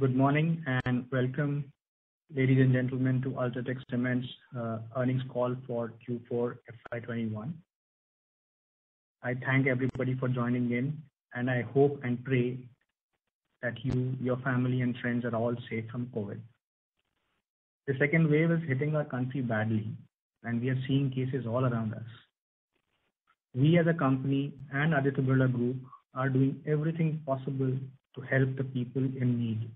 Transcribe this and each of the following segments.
Good morning, and welcome, ladies and gentlemen, to UltraTech Cement's earnings call for Q4 FY 2021. I thank everybody for joining in, and I hope and pray that you, your family, and friends are all safe from COVID. The second wave is hitting our country badly, and we are seeing cases all around us. We as a company and Aditya Birla Group are doing everything possible to help the people in need.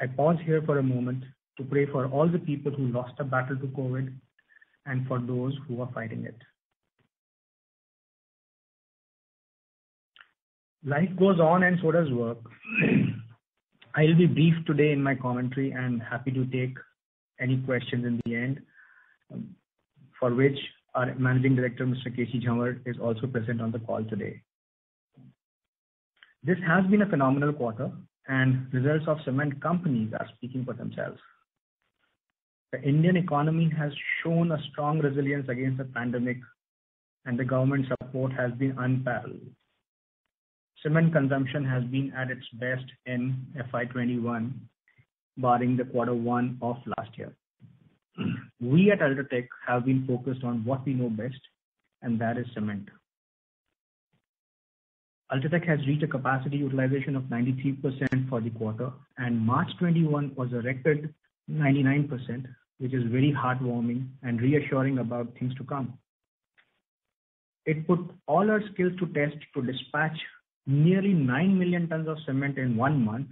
I pause here for a moment to pray for all the people who lost their battle to COVID and for those who are fighting it. Life goes on, and so does work. I'll be brief today in my commentary and happy to take any questions in the end, for which our Managing Director, Mr. K. C. Jhanwar, is also present on the call today. This has been a phenomenal quarter, and results of cement companies are speaking for themselves. The Indian economy has shown a strong resilience against the pandemic, and the government support has been unparalleled. Cement consumption has been at its best in FY21, barring the Q1 of last year. We at UltraTech have been focused on what we know best, and that is cement. UltraTech has reached a capacity utilization of 93% for the quarter, and March 2021 was a record 99%, which is very heartwarming and reassuring about things to come. It put all our skills to test to dispatch nearly 9 million tons of cement in one month.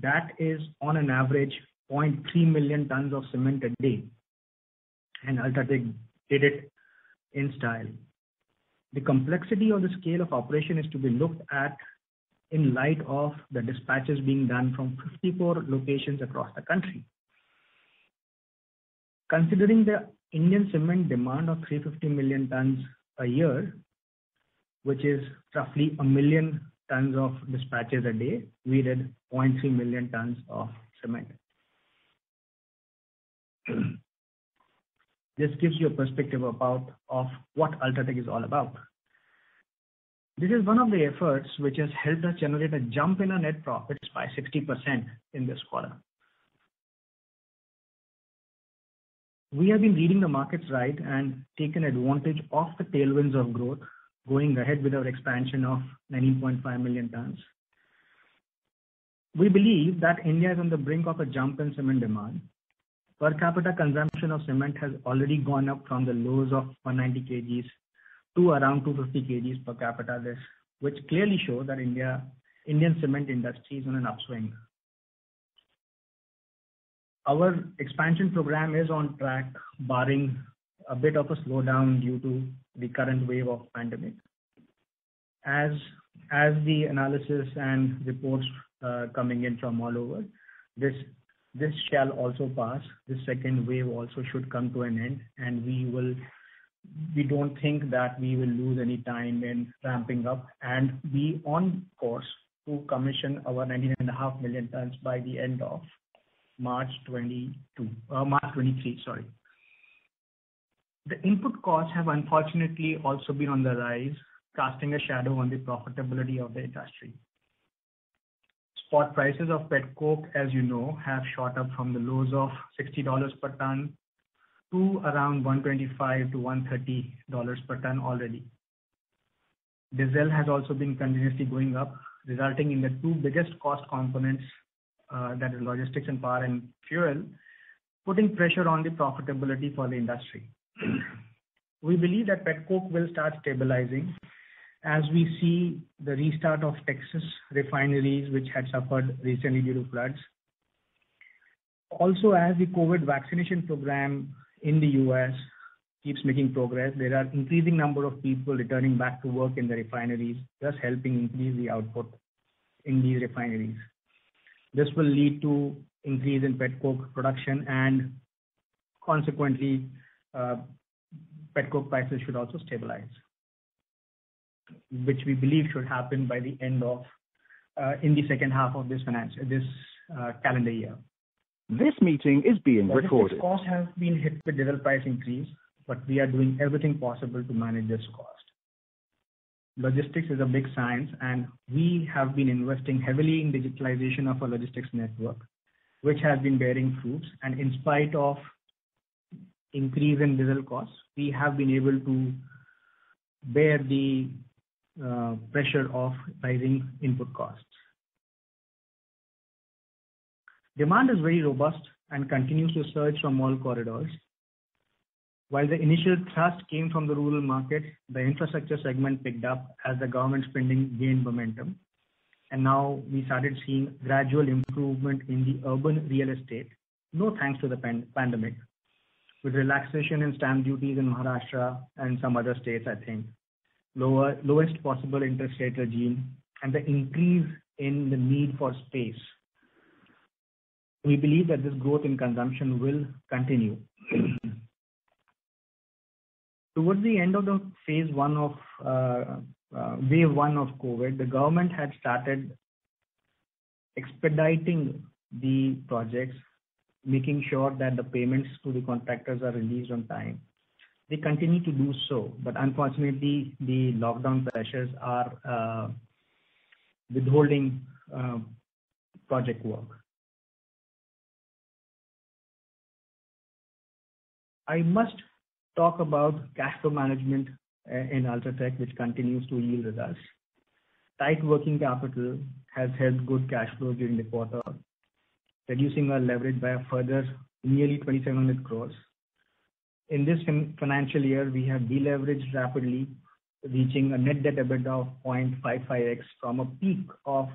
That is on an average 0.3 million tons of cement a day. UltraTech did it in style. The complexity of the scale of operation is to be looked at in light of the dispatches being done from 54 locations across the country. Considering the Indian cement demand of 350 million tons a year, which is roughly a million tons of dispatches a day, we did 0.3 million tons of cement. This gives you a perspective of what UltraTech is all about. This is one of the efforts which has helped us generate a jump in our net profits by 60% in this quarter. We have been reading the markets right and taken advantage of the tailwinds of growth, going ahead with our expansion of 19.5 million tons. We believe that India is on the brink of a jump in cement demand. Per capita consumption of cement has already gone up from the lows of 190 kgs to around 250 kgs per capita, which clearly shows that Indian cement industry is on an upswing. Our expansion program is on track, barring a bit of a slowdown due to the current wave of pandemic. As the analysis and reports are coming in from all over, this shall also pass. This second wave also should come to an end, and we don't think that we will lose any time in ramping up. We on course to commission our 19.5 million tons by the end of March 2023. The input costs have unfortunately also been on the rise, casting a shadow on the profitability of the industry. Spot prices of pet coke, as you know, have shot up from the lows of $60 per ton to around $125 per ton-$130 per ton already. Diesel has also been continuously going up, resulting in the two biggest cost components, that is logistics and power and fuel, putting pressure on the profitability for the industry. We believe that pet coke will start stabilizing as we see the restart of Texas refineries, which had suffered recently due to floods. As the COVID vaccination program in the U.S. keeps making progress, there are increasing number of people returning back to work in the refineries, thus helping increase the output in these refineries. This will lead to increase in pet coke production and consequently, pet coke prices should also stabilize, which we believe should happen in the H2 of this calendar year. This meeting is being recorded. Logistics costs have been hit with diesel price increase, but we are doing everything possible to manage this cost. Logistics is a big science, and we have been investing heavily in digitalization of our logistics network, which has been bearing fruits. In spite of increase in diesel costs, we have been able to bear the pressure of rising input costs. Demand is very robust and continues to surge from all corridors. While the initial thrust came from the rural market, the infrastructure segment picked up as the government spending gained momentum, and now we started seeing gradual improvement in the urban real estate, no thanks to the pandemic. With relaxation in stamp duties in Maharashtra and some other states, I think, lowest possible interest rate regime and the increase in the need for space, we believe that this growth in consumption will continue. Towards the end of the phase I of COVID, the government had started expediting the projects, making sure that the payments to the contractors are released on time. They continue to do so, unfortunately, the lockdown pressures are withholding project work. I must talk about cash flow management in UltraTech, which continues to yield results. Tight working capital has helped good cash flow during the quarter, reducing our leverage by a further nearly 2,700 crores. In this financial year, we have deleveraged rapidly, reaching a net debt EBITDA of 0.55x from a peak of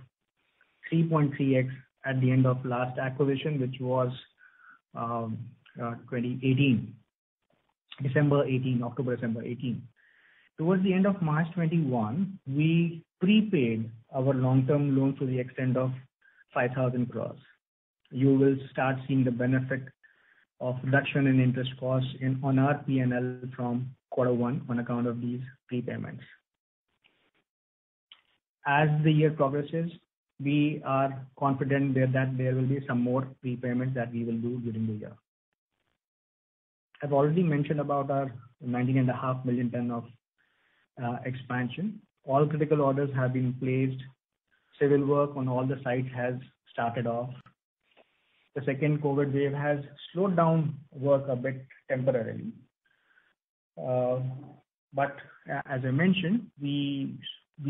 3.3x at the end of last acquisition, which was December 2018, October/December 2018. Towards the end of March 2021, we prepaid our long-term loan to the extent of 5,000 crores. You will start seeing the benefit of reduction in interest costs on our P&L from Q1 on account of these prepayments. As the year progresses, we are confident that there will be some more prepayments that we will do during the year. I've already mentioned about our 19.5 million ton of expansion. All critical orders have been placed. Civil work on all the sites has started off. The second COVID wave has slowed down work a bit temporarily. As I mentioned, we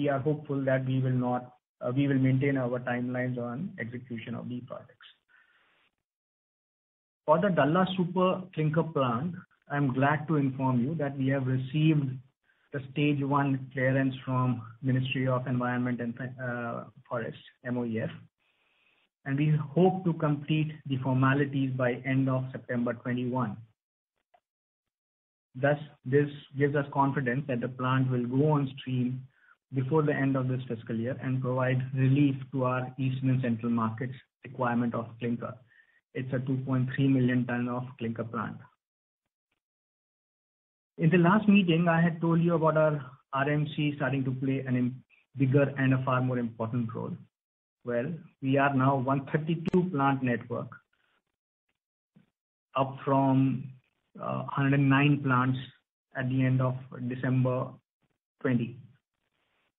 are hopeful that we will maintain our timelines on execution of these projects. For the Dalla super clinker plant, I'm glad to inform you that we have received the stage one clearance from Ministry of Environment and Forests, MoEF, and we hope to complete the formalities by end of September 2021. This gives us confidence that the plant will go on stream before the end of this fiscal year and provide relief to our east and central markets' requirement of clinker. It's a 2.3 million tons of clinker plant. In the last meeting, I had told you about our RMC starting to play a bigger and a far more important role. Well, we are now a 132-plant network, up from 109 plants at the end of December 2020.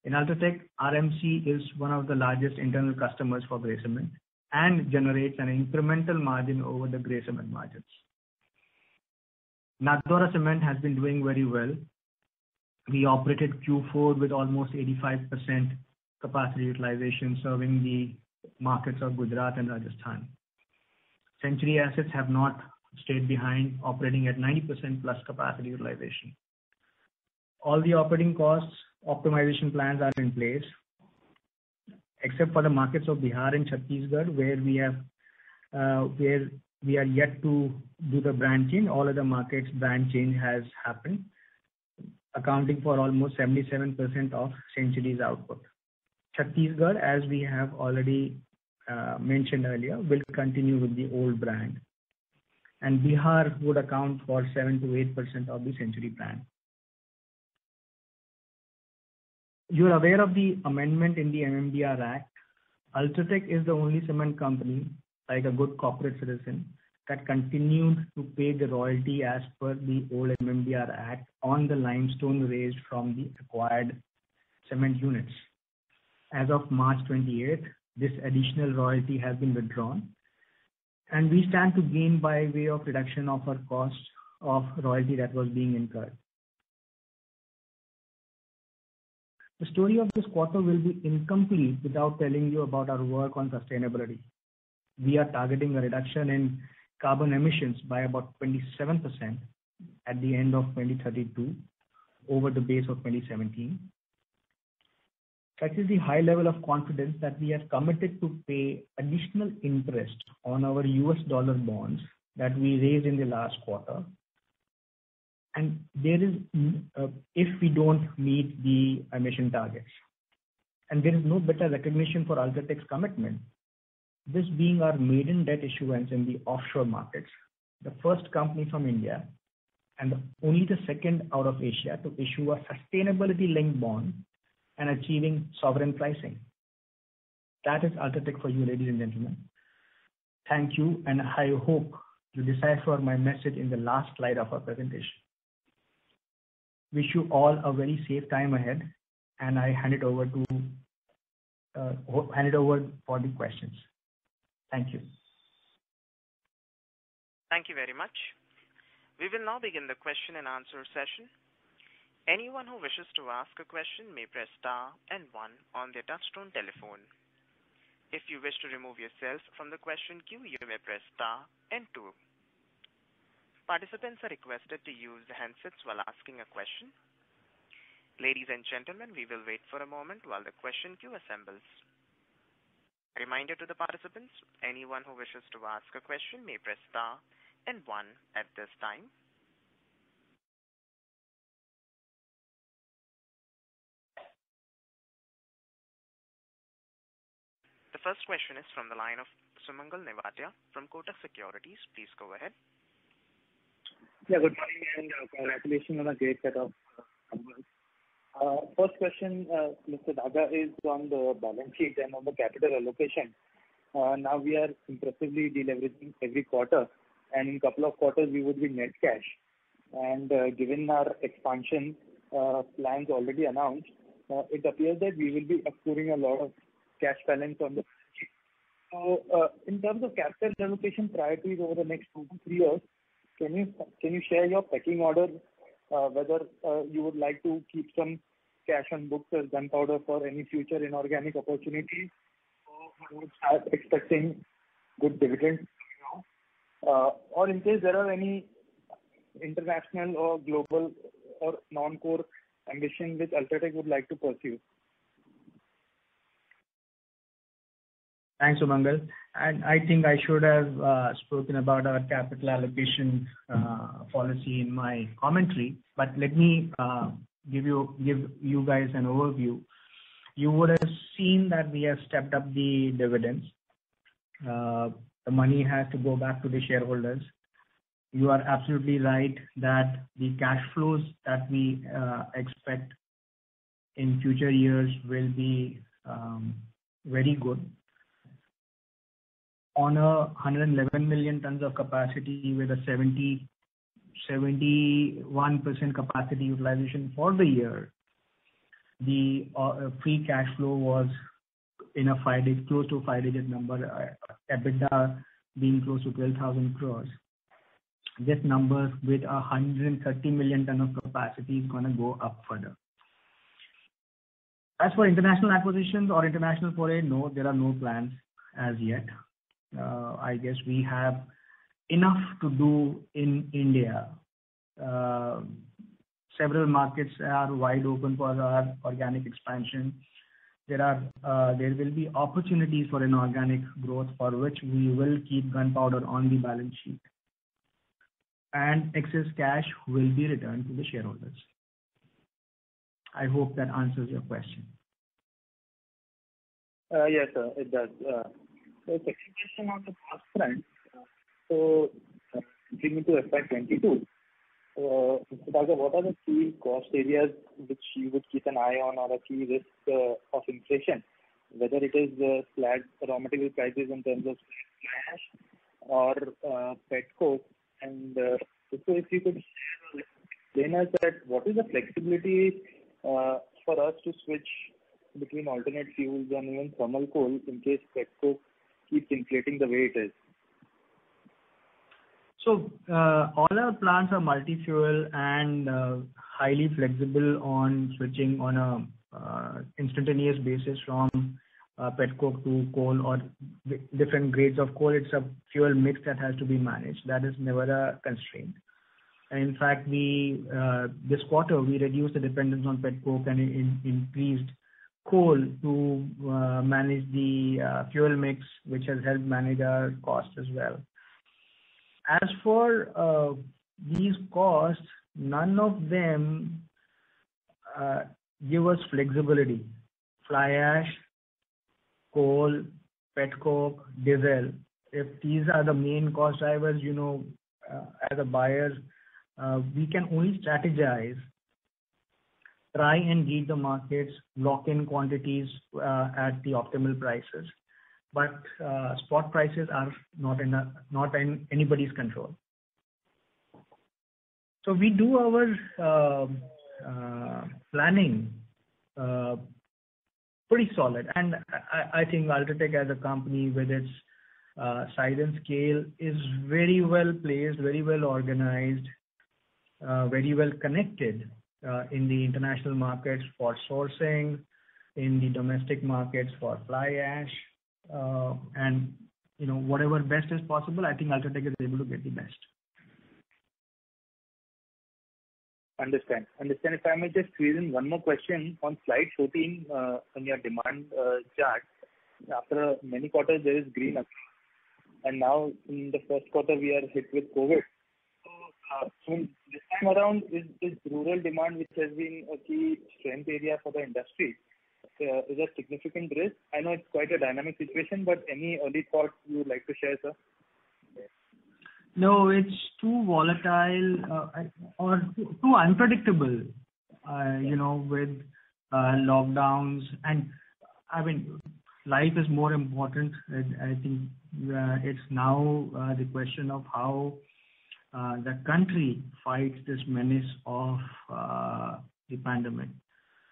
In UltraTech, RMC is one of the largest internal customers for gray cement and generates an incremental margin over the gray cement margins. Nathdwara Cement has been doing very well. We operated Q4 with almost 85% capacity utilization serving the markets of Gujarat and Rajasthan. Century assets have not stayed behind, operating at 90%+ capacity utilization. All the operating costs optimization plans are in place. Except for the markets of Bihar and Chhattisgarh, where we are yet to do the brand change, all other markets brand change has happened, accounting for almost 77% of Century's output. Chhattisgarh, as we have already mentioned earlier, will continue with the old brand, and Bihar would account for 7%-8% of the Century brand. You are aware of the amendment in the MMDR Act. UltraTech is the only cement company, like a good corporate citizen, that continued to pay the royalty as per the old MMDR Act on the limestone raised from the acquired cement units. As of March 28th, this additional royalty has been withdrawn, and we stand to gain by way of reduction of our costs of royalty that was being incurred. The story of this quarter will be incomplete without telling you about our work on sustainability. We are targeting a reduction in carbon emissions by about 27% at the end of 2032 over the base of 2017. Such is the high level of confidence that we have committed to pay additional interest on our USD bonds that we raised in the last quarter, and if we don't meet the emission targets. There is no better recognition for UltraTech's commitment, this being our maiden debt issuance in the offshore markets, the first company from India and only the second out of Asia to issue a sustainability-linked bond and achieving sovereign pricing. That is UltraTech for you, ladies and gentlemen. Thank you, and I hope you decipher my message in the last slide of our presentation. Wish you all a very safe time ahead, and I hand it over for the questions. Thank you. Thank you very much. We will now begin the question-and-answer session. Anyone who wishes to ask a question may press star and one on their touch-tone telephone. If you wish to remove yourselves from the question queue, you may press star and two. Participants are requested to use handsets while asking a question. Ladies and gentlemen, we will wait for a moment while the question queue assembles. A reminder to the participants, anyone who wishes to ask a question may press star and one at this time. The first question is from the line of Sumangal Nevatia from Kotak Securities. Please go ahead. Yeah, good morning, and congratulations. First question, Mr. Daga, is on the balance sheet and on the capital allocation. We are impressively deleveraging every quarter. In couple of quarters we would be net cash. Given our expansion plans already announced, it appears that we will be accruing a lot of cash balance. In terms of capital allocation priorities over the next two to three years, can you share your pecking order, whether you would like to keep some cash on books as gunpowder for any future inorganic opportunities, or one would start expecting good dividends coming out? In case there are any international or global or non-core ambition which UltraTech would like to pursue. Thanks, Sumangal Nevatia. I think I should have spoken about our capital allocation policy in my commentary. But let me give you guys an overview. You would have seen that we have stepped up the dividends. The money had to go back to the shareholders. You are absolutely right that the cash flows that we expect in future years will be very good. On 111 million tons of capacity with a 71% capacity utilization for the year, the free cash flow was close to five-digit number, EBITDA being close to 12,000 crore. This number with 130 million ton of capacity is going to go up further. As for international acquisitions or international foray, no. There are no plans as yet. I guess we have enough to do in India. Several markets are wide open for our organic expansion. There will be opportunities for inorganic growth for which we will keep gunpowder on the balance sheet. Excess cash will be returned to the shareholders. I hope that answers your question. Yes, sir. It does. Second question on the cost front. Going into FY22, Mr. Daga, what are the key cost areas which you would keep an eye on or the key risk of inflation, whether it is raw material prices in terms of fly ash or pet coke. Also if you could share or explain us that what is the flexibility for us to switch between alternate fuels and even thermal coal in case pet coke keeps inflating the way it is. All our plants are multi-fuel and highly flexible on switching on a instantaneous basis from pet coke to coal or different grades of coal. It's a fuel mix that has to be managed. That is never a constraint. In fact, this quarter, we reduced the dependence on pet coke and increased coal to manage the fuel mix, which has helped manage our costs as well. As for these costs, none of them give us flexibility. Fly ash, coal, pet coke, diesel, if these are the main cost drivers, as a buyer we can only strategize, try and read the markets, lock in quantities at the optimal prices. Spot prices are not in anybody's control. We do our planning pretty solid, and I think UltraTech as a company with its size and scale, is very well-placed, very well-organized, very well-connected in the international markets for sourcing, in the domestic markets for fly ash. Whatever best is possible, I think UltraTech is able to get the best. Understand. If I may just squeeze in one more question on slide 14 on your demand chart. After many quarters, there is green again, now in the Q1, we are hit with COVID. This time around, this rural demand, which has been a key strength area for the industry, is a significant risk. I know it's quite a dynamic situation, any early thoughts you would like to share, sir? No, it's too volatile or too unpredictable with lockdowns and, I mean, life is more important. I think it's now the question of how the country fights this menace of the pandemic.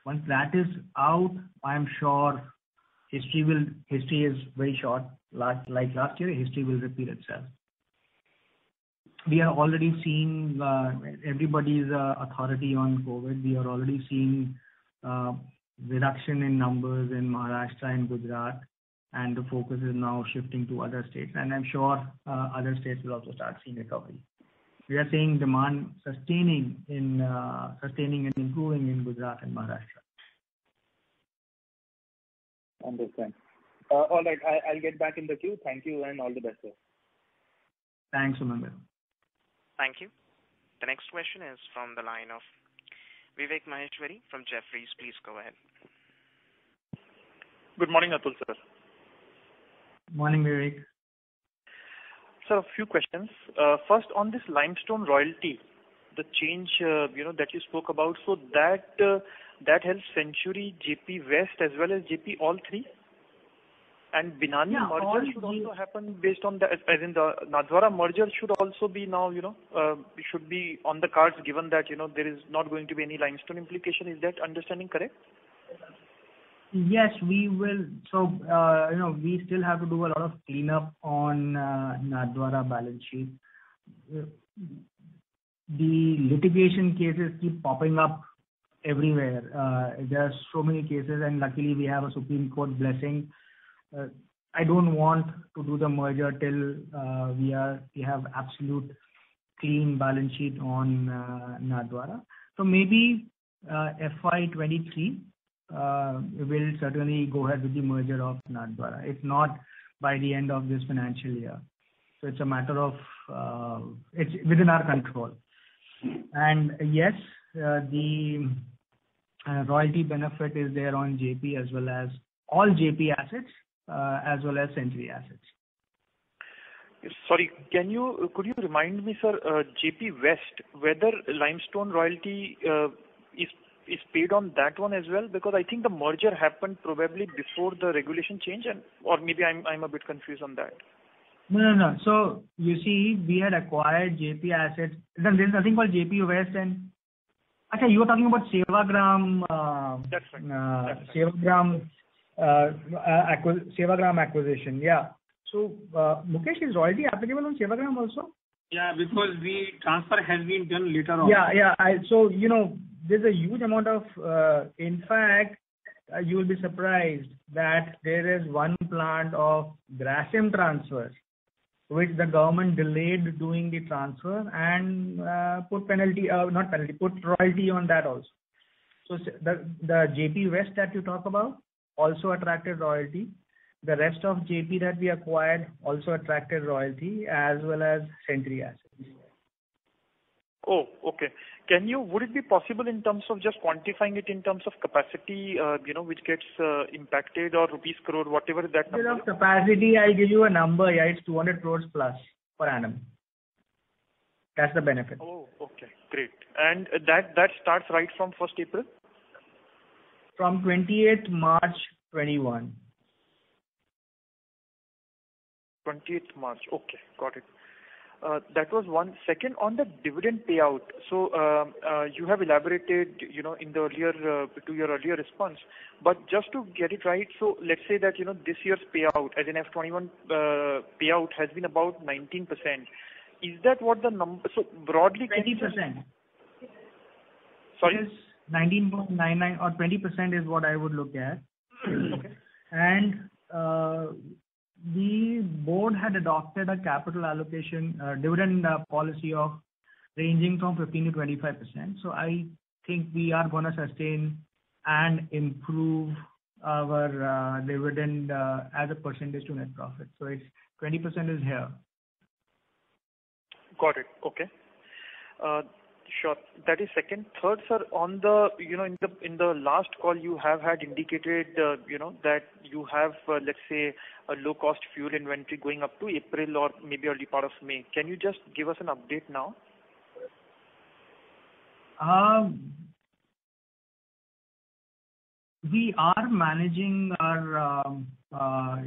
Once that is out, I am sure history is very short. Like last year, history will repeat itself. We are already seeing everybody's authority on COVID. We are already seeing reduction in numbers in Maharashtra and Gujarat, and the focus is now shifting to other states. I'm sure other states will also start seeing recovery. We are seeing demand sustaining and improving in Gujarat and Maharashtra. Understand. All right. I'll get back in the queue. Thank you and all the best, sir. Thanks, Sumangal. Thank you. The next question is from the line of Vivek Maheshwari from Jefferies. Please go ahead. Good morning, Atul, sir. Morning, Vivek. Sir, a few questions. First, on this limestone royalty, the change that you spoke about. That helps Century, JP West, as well as JP all three? Binani merger? Yeah. All should also happen based on the Nathdwara merger should also be on the cards, given that there is not going to be any limestone implication. Is that understanding correct? Yes. We still have to do a lot of cleanup on Nathdwara balance sheet. The litigation cases keep popping up everywhere. Luckily we have a Supreme Court blessing. I don't want to do the merger till we have absolute clean balance sheet on Nathdwara. Maybe FY 2023, we'll certainly go ahead with the merger of Nathdwara. If not, by the end of this financial year. It's within our control. Yes, the royalty benefit is there on JP as well as all JP assets, as well as Century assets. Sorry. Could you remind me, sir, Jaiprakash Associates, whether limestone royalty is paid on that one as well? I think the merger happened probably before the regulation change, or maybe I'm a bit confused on that. No. You see, we had acquired JP assets. There's nothing called Jaiprakash Associates, Okay, you're talking about. That's right. Sewagram acquisition. Yeah. Mukesh, is royalty applicable on Sewagram also? Yeah, because the transfer has been done later on. Yeah. You will be surprised that there is one plant of Grasim transfers, which the government delayed doing the transfer and put royalty on that also. The JP West that you talk about also attracted royalty. The rest of JP that we acquired also attracted royalty as well as Century Assets. Oh, okay. Would it be possible in terms of just quantifying it in terms of capacity which gets impacted or rupees crore, whatever that number? In terms of capacity, I'll give you a number. Yeah, it's 200 crores plus per annum. That's the benefit. Oh, okay. Great. That starts right from April 1st? From March 28, 2021. March 28. Okay, got it. That was one. Second, on the dividend payout. You have elaborated to your earlier response, but just to get it right. Let's say that this year's payout, as in FY 2021 payout has been about 19%. Is that what the number? 20%. Sorry? 19.99% or 20% is what I would look at. Okay. The board had adopted a capital allocation dividend policy of ranging from 15%-25%. I think we are going to sustain and improve our dividend as a percentage to net profit. It's 20% is here. Got it. Okay. Sure. That is second. Third, sir, in the last call you have had indicated that you have, let's say, a low-cost fuel inventory going up to April or maybe early part of May. Can you just give us an update now? We are managing our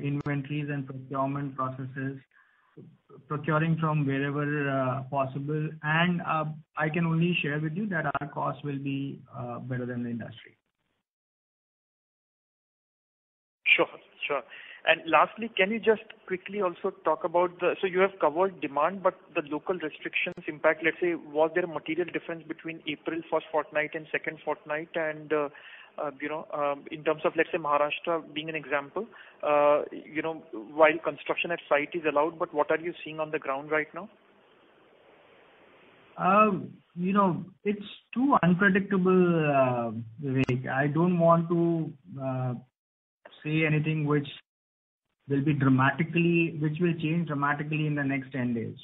inventories and procurement processes, procuring from wherever possible, and I can only share with you that our cost will be better than the industry. Sure. Lastly, can you just quickly also talk about you have covered demand, but the local restrictions impact, let's say, was there a material difference between April first fortnight and second fortnight in terms of, let's say, Maharashtra being an example while construction at site is allowed, but what are you seeing on the ground right now? It's too unpredictable, Vivek. I don't want to say anything which will change dramatically in the next 10 days.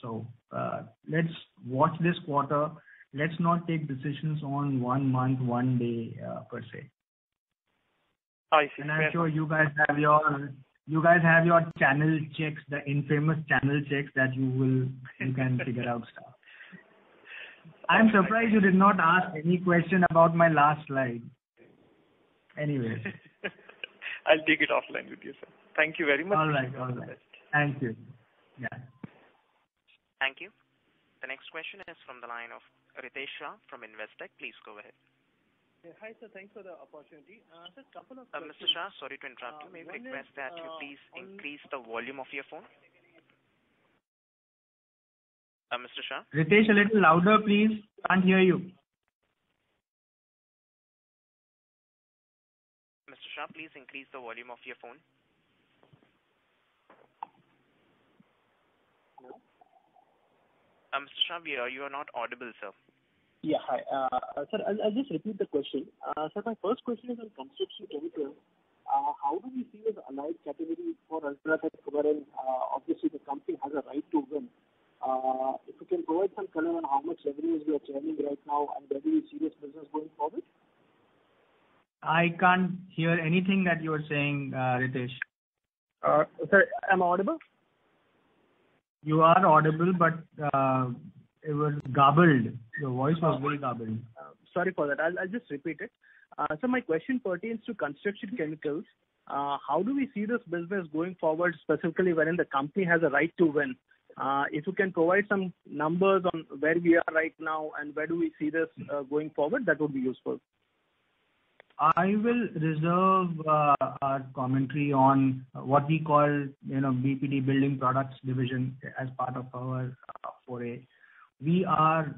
Let's watch this quarter. Let's not take decisions on one month, one day, per se. I see. I'm sure you guys have your infamous channel checks that you can figure out stuff. I'm surprised you did not ask any question about my last slide. Anyways. I'll take it offline with you, sir. Thank you very much. All right. All the best. Thank you. Yeah. Thank you. The next question is from the line of Ritesh Shah from Investec. Please go ahead. Hi, sir. Thanks for the opportunity. Sir, couple of questions. Mr. Shah, sorry to interrupt you. May I request that you please increase the volume of your phone. Mr. Shah? Ritesh, a little louder, please. Can't hear you. Mr. Shah, Please increase the volume of your phone. Hello? Mr. Shah, you are not audible, sir. Yeah. Hi. Sir, I'll just repeat the question. Sir, my first question is on construction tender. How do we see the allied category for UltraTech, and obviously the company has a right to win. If you can provide some color on how much revenue you are churning right now and where do you see this business going forward? I can't hear anything that you are saying, Ritesh. Sir, am I audible? You are audible, but it was garbled. Your voice was very garbled. Sorry for that. I'll just repeat it. Sir, my question pertains to construction chemicals. How do we see this business going forward, specifically wherein the company has a right to win? If you can provide some numbers on where we are right now and where do we see this going forward, that would be useful. I will reserve our commentary on what we call BPD, Building Products Division, as part of our foray. We are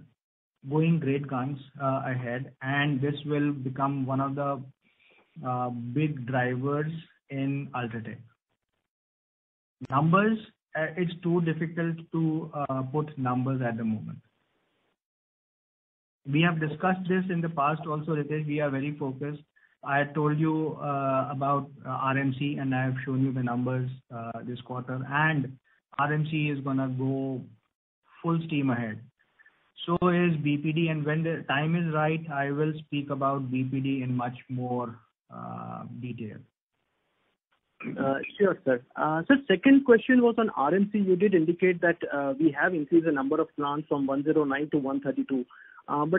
going great guns ahead, and this will become one of the big drivers in UltraTech. Numbers, it's too difficult to put numbers at the moment. We have discussed this in the past also, Ritesh. We are very focused. I told you about RMC, and I have shown you the numbers this quarter. RMC is going to go full steam ahead. So is BPD, and when the time is right, I will speak about BPD in much more detail. Sure, sir. Sir, second question was on RMC. You did indicate that we have increased the number of plants from 109-132.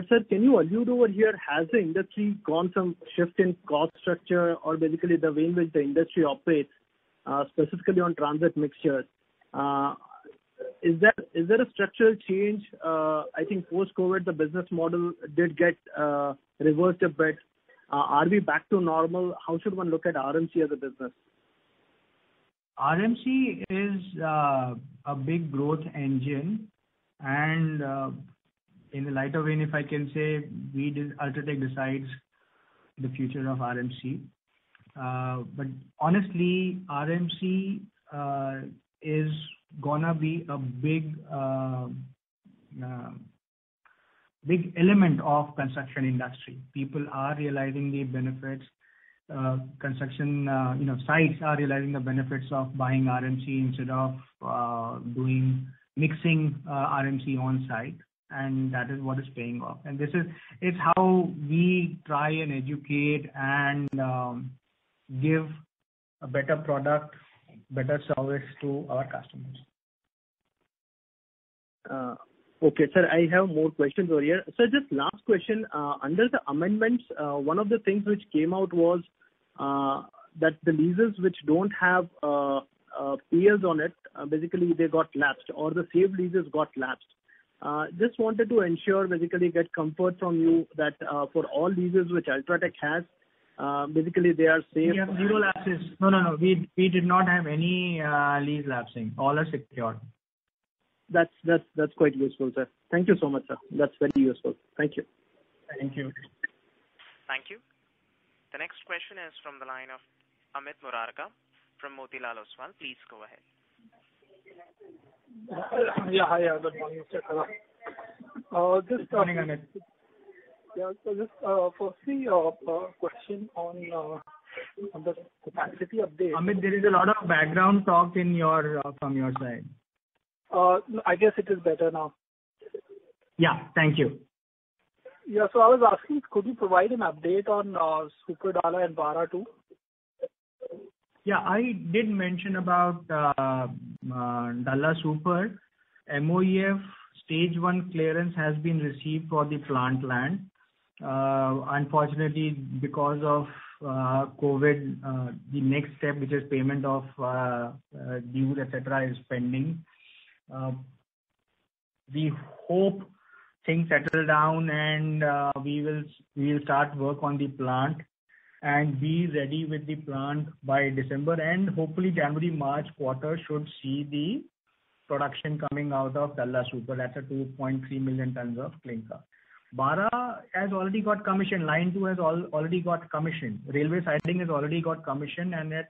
Sir, can you allude over here, has the industry gone some shift in cost structure or basically the way in which the industry operates, specifically on transit mixtures? Is there a structural change? I think post-COVID, the business model did get reversed a bit. Are we back to normal? How should one look at RMC as a business? RMC is a big growth engine. In the lighter vein if I can say, UltraTech decides the future of RMC. Honestly, RMC is going to be a big element of construction industry. People are realizing the benefits. Construction sites are realizing the benefits of buying RMC instead of mixing RMC on-site, and that is what is paying off. This is how we try and educate and give a better product, better service to our customers. Okay, sir. I have more questions over here. Sir, just last question. Under the amendments, one of the things which came out was that the leases which don't have peers on it, basically they got lapsed or the saved leases got lapsed. Just wanted to ensure, basically get comfort from you that for all leases which UltraTech has, basically they are safe. We have zero lapses. No, we did not have any lease lapsing. All are secure. That's quite useful, sir. Thank you so much. That's very useful. Thank you. Thank you. Thank you. The next question is from the line of Amit Murarka from Motilal Oswal. Please go ahead. Yeah, hi. Good morning. Morning, Amit. Yeah. Just firstly, a question on the capacity update. Amit, there is a lot of background talk from your side. I guess it is better now. Yeah. Thank you. Yeah. I was asking, could you provide an update on Super Dalla and Bara, too? I did mention about Dalla Super. MoEF Stage 1 clearance has been received for the plant land. Unfortunately, because of COVID, the next step, which is payment of dues, et cetera, is pending. We hope things settle down and we'll start work on the plant and be ready with the plant by December. Hopefully January, March quarter should see the production coming out of Dalla Super. That's a 2.3 million tonnes of clinker. Bara has already got commission. Line two has already got commission. Railway siding has already got commission, and at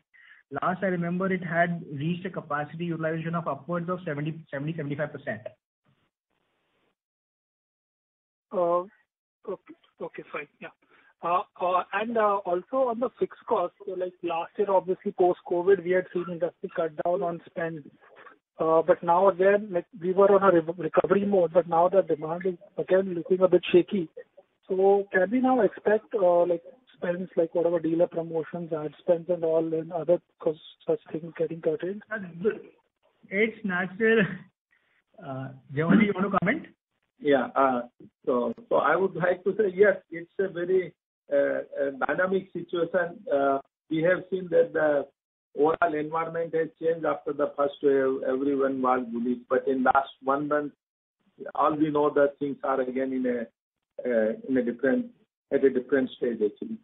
last I remember it had reached a capacity utilization of upwards of 70%, 75%. Okay, fine. Yeah. Also on the fixed cost, last year, obviously post-COVID, we had seen industry cut down on spend. We were on a recovery mode, but now the demand is again looking a bit shaky. Can we now expect spends like whatever dealer promotions, ad spends and all and other such things getting cut in? It's natural. K. C. Jhanwar, you want to comment? Yeah. I would like to say yes, it's a very dynamic situation. We have seen that the overall environment has changed after the first wave. Everyone was bullish. In last one month, all we know that things are again at a different stage, actually.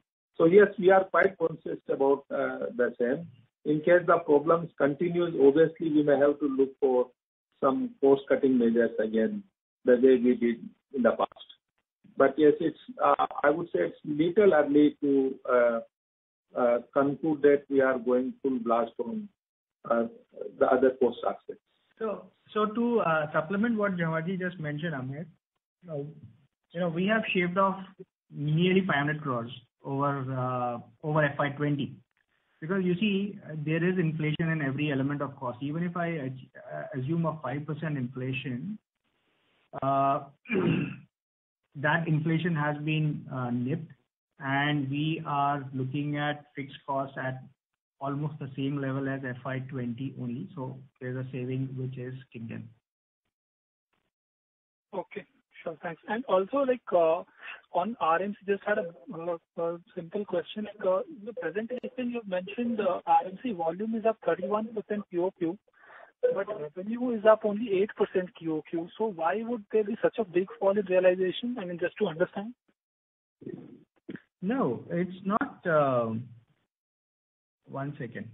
Yes, we are quite conscious about the same. In case the problems continue, obviously we may have to look for some cost-cutting measures again, the way we did in the past. Yes, I would say it's little early to conclude that we are going full blast on the other cost aspects. To supplement what Jhanwar just mentioned, Amit, we have shaved off nearly 500 crore over FY20. Because you see, there is inflation in every element of cost. Even if I assume a 5% inflation, that inflation has been nipped, and we are looking at fixed costs at almost the same level as FY20 only. So there's a saving which is uncertain. Okay. Sure. Thanks. Also on RMC, just had a simple question. In the presentation, you've mentioned the RMC volume is up 31% QOQ, but revenue is up only 8% QOQ. Why would there be such a big fall in realization? I mean, just to understand. No, it's not one second.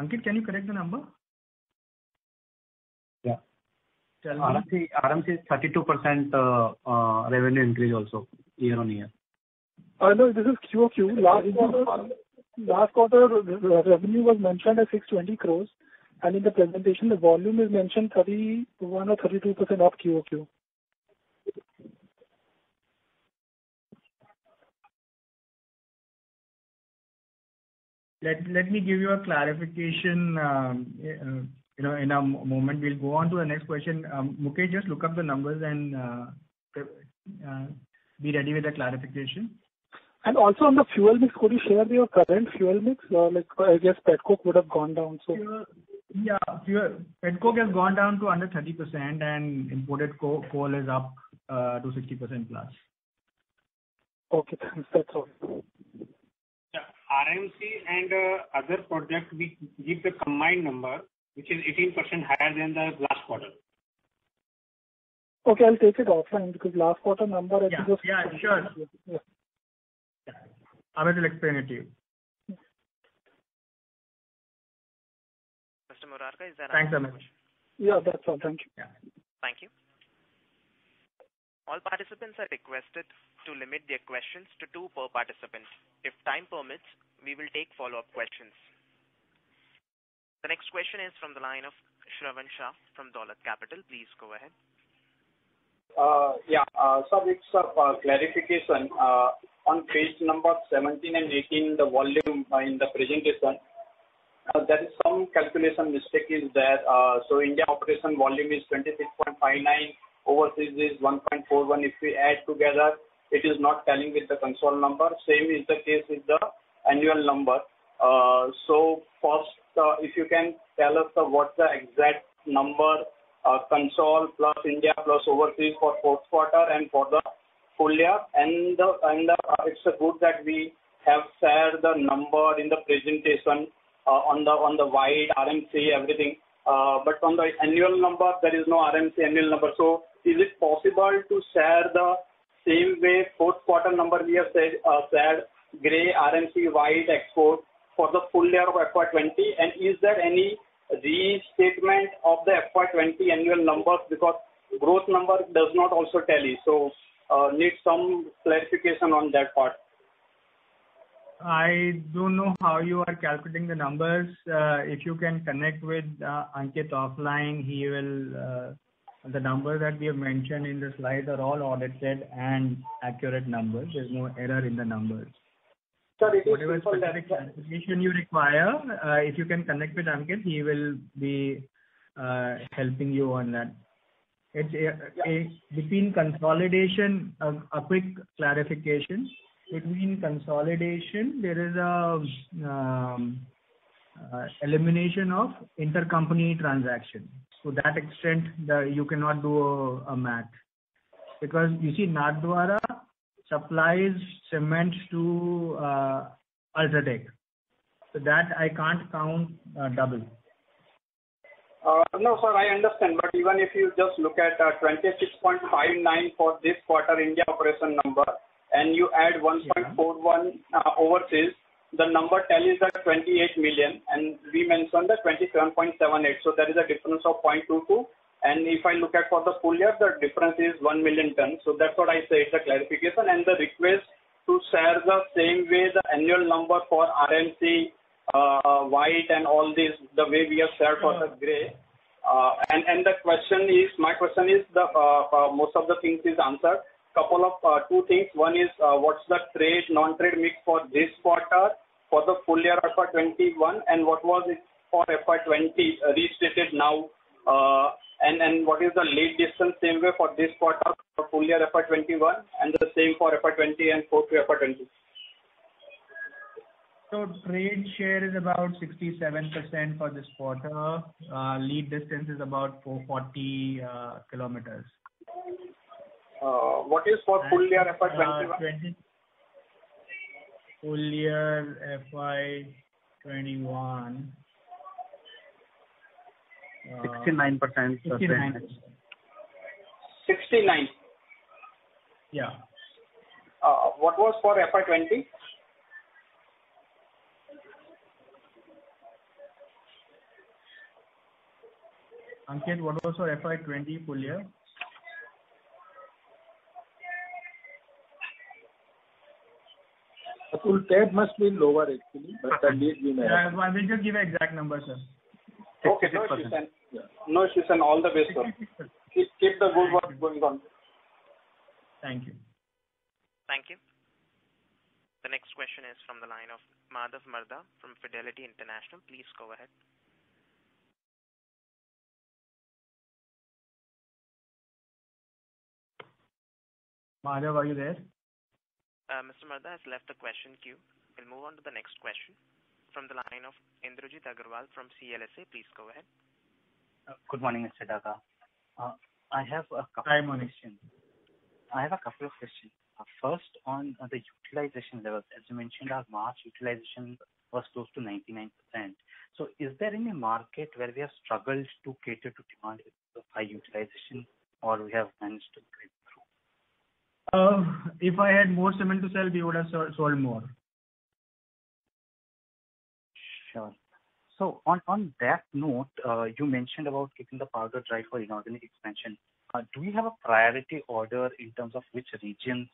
Ankit, can you correct the number? Yeah. RMC is 32% revenue increase also year-on-year. This is QOQ. Last quarter revenue was mentioned as 620 crore, in the presentation, the volume is mentioned 31% or 32% up QOQ. Let me give you a clarification in a moment. We will go on to the next question. Mukesh, just look up the numbers and be ready with the clarification. Also on the fuel mix, could you share your current fuel mix? I guess pet coke would have gone down. Yeah. Pet coke has gone down to under 30% and imported coal is up to 60%+. Okay, thanks. That's all. RMC and other projects, we give the combined number, which is 18% higher than the last quarter. Okay, I'll take it offline because last quarter. Yeah, sure. Amit will explain it to you. Mr. Murarka. Thanks so much. Yeah, that's all. Thank you. Yeah. Thank you. All participants are requested to limit their questions to two per participant. If time permits, we will take follow-up questions. The next question is from the line of Shravan Shah from Dolat Capital. Please go ahead. Yeah. Sir, it's a clarification. On page number 17 and 18, the volume in the presentation, there is some calculation mistake is there. India operation volume is 26.59, overseas is 1.41. If we add together, it is not tallying with the consolidated number. Same is the case with the annual number. First, if you can tell us what the exact number consolidated plus India plus overseas for Q4 and for the full-year. It's good that we have shared the number in the presentation on the white RMC everything. On the annual number, there is no RMC annual number. Is it possible to share the same way Q4 number we have shared, gray, RMC, white export for the full-year of FY 2020? Is there any restatement of the FY 2020 annual numbers because growth number does not also tally? Need some clarification on that part. I don't know how you are calculating the numbers. If you can connect with Ankit offline, the number that we have mentioned in the slides are all audited and accurate numbers. There's no error in the numbers. Sir. Whatever specific clarification you require, if you can connect with Ankit, he will be helping you on that. A quick clarification. Between consolidation, there is an elimination of intercompany transaction. To that extent, you cannot do a math. You see, Nathdwara supplies cement to UltraTech. That I can't count double. No, sir, I understand. Even if you just look at 26.59 for this quarter India operation number, and you add 1.41 overseas, the number tell is at 28 million, and we mentioned the 27.78. There is a difference of 0.22. If I look at for the full-year, the difference is 1 million tons. That's what I say, it's a clarification and the request to share the same way the annual number for RMC, white and all this, the way we have shared for the gray. My question is, most of the things is answered. Two things. One is, what's the trade, non-trade mix for this quarter for the full-year FY2021, and what was it for FY2020 restated now? What is the lead distance same way for this quarter for full-year FY2021, and the same for FY2020 and FY2020? Trade share is about 67% for this quarter. Lead distance is about 440 km. What is for full year FY21? Full year FY 2021. 69%, sir. 69. Yeah. What was for FY 2020? Ankit, what was our FY 2020 full-year? Atul Daga, that must be lower actually. Yeah. We'll give the exact number, sir. Okay. No. All the best. Keep the good work going on Thank you. Thank you. The next question is from the line of Madhav Marda from Fidelity International. Please go ahead. Madhav, are you there? Mr. Marda has left the question queue. We'll move on to the next question from the line of Indrajit Agarwal from CLSA. Please go ahead. Good morning, Mr. Daga. I have a couple of questions. Hi, morning. I have a couple of questions. First, on the utilization levels. As you mentioned, our March utilization was close to 99%. Is there any market where we have struggled to cater to demand high utilization, or we have managed to through? If I had more cement to sell, we would have sold more. Sure. On that note, you mentioned about keeping the powder dry for inorganic expansion. Do we have a priority order in terms of which regions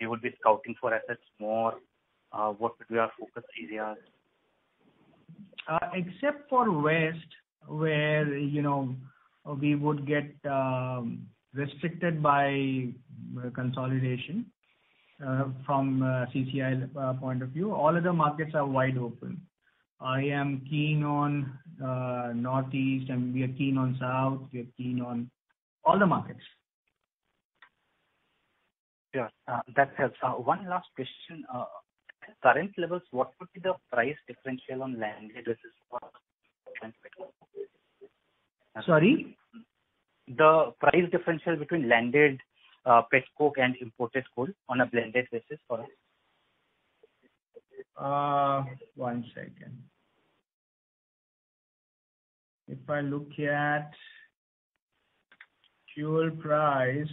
you would be scouting for assets more? What would be our focus areas? Except for West, where we would get restricted by consolidation from a CCI point of view, all other markets are wide open. I am keen on Northeast and we are keen on South, we are keen on all the markets. Sure. That helps. One last question. Current levels, what would be the price differential on landed versus? Sorry? The price differential between landed petcoke and imported coal on a blended basis for us. One second. If I look at fuel price.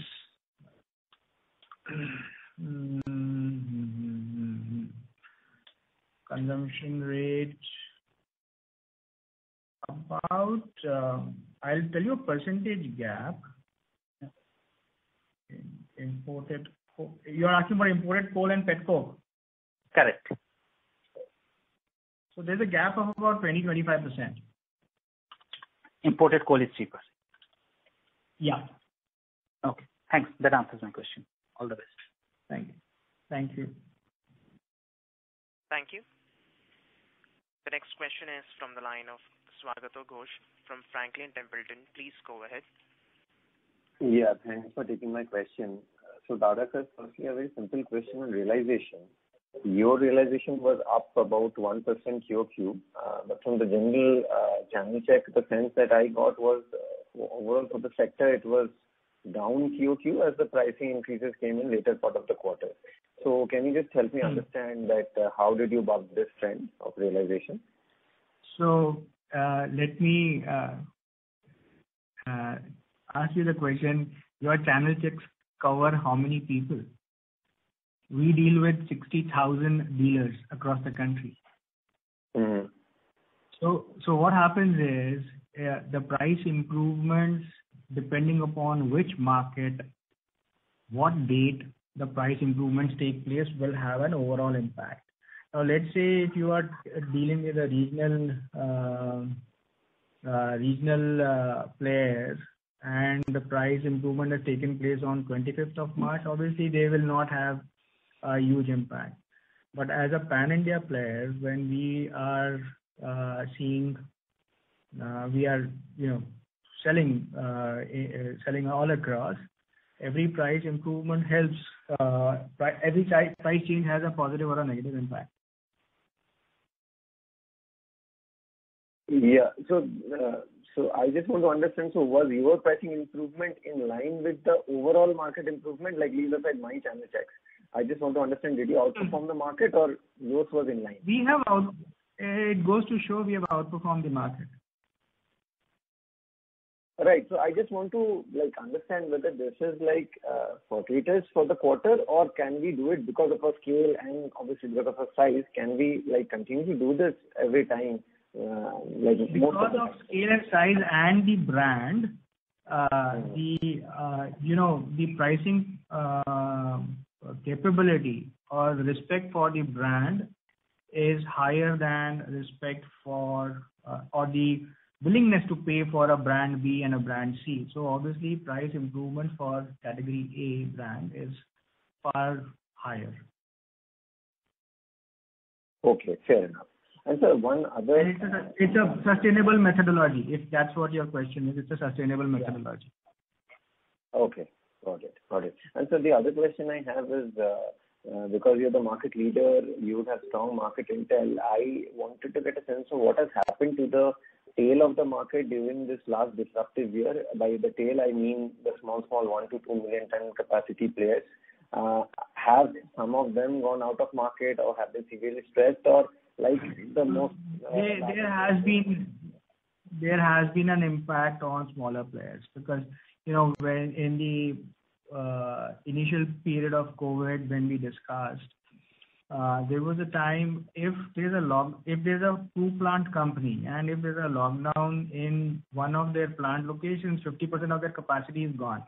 Consumption rate. I'll tell you % gap. You're asking about imported coal and pet coke? Correct. There's a gap of about 20%, 25%. Imported coal is cheaper? Yeah. Okay, thanks. That answers my question. All the best. Thank you. Thank you. The next question is from the line of Swagato Ghosh from Franklin Templeton. Please go ahead. Yeah, thanks for taking my question. Daga, sir, firstly, a very simple question on realization. Your realization was up about 1% QOQ, but from the general channel check, the sense that I got was overall for the sector, it was down QOQ as the pricing increases came in later part of the quarter. Can you just help me understand that how did you buck this trend of realization? Let me ask you the question. Your channel checks cover how many people? We deal with 60,000 dealers across the country. What happens is, the price improvements, depending upon which market, what date the price improvements take place, will have an overall impact. Let's say if you are dealing with a regional player and the price improvement had taken place on March 25th, obviously they will not have a huge impact. As a pan-India player, when we are selling all across, every price change has a positive or a negative impact. I just want to understand, so was your pricing improvement in line with the overall market improvement like these were my channel checks? I just want to understand, did you outperform the market or yours was in line? It goes to show we have outperformed the market. Right. I just want to understand whether this is fortuitous for the quarter or can we do it because of our scale and obviously because of our size, can we continue to do this every time, like most of the time? Because of scale and size and the brand. The pricing capability or respect for the brand is higher than respect for or the willingness to pay for a brand B and a brand C. Obviously price improvement for category A brand is far higher. Okay, fair enough. Sir. It's a sustainable methodology, if that's what your question is. It's a sustainable methodology. Yeah. Okay, got it. Sir, the other question I have is, because you're the market leader, you have strong market intel. I wanted to get a sense of what has happened to the tail of the market during this last disruptive year. By the tail, I mean the small 1 million ton-2 million ton capacity players. Have some of them gone out of market or have they severely stressed? There has been an impact on smaller players because, in the initial period of COVID, when we discussed, there was a time if there's a two-plant company and if there's a lockdown in one of their plant locations, 50% of their capacity is gone.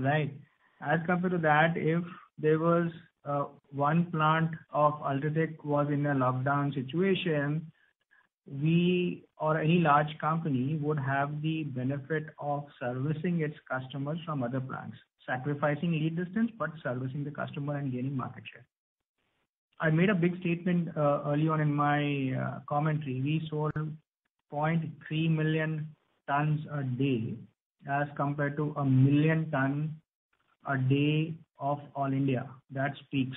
Right? As compared to that, if there was one plant of UltraTech was in a lockdown situation, we or any large company would have the benefit of servicing its customers from other plants, sacrificing lead distance, but servicing the customer and gaining market share. I made a big statement earlier on in my commentary. We sold 0.3 million tons a day as compared to a million ton a day of all India. That speaks.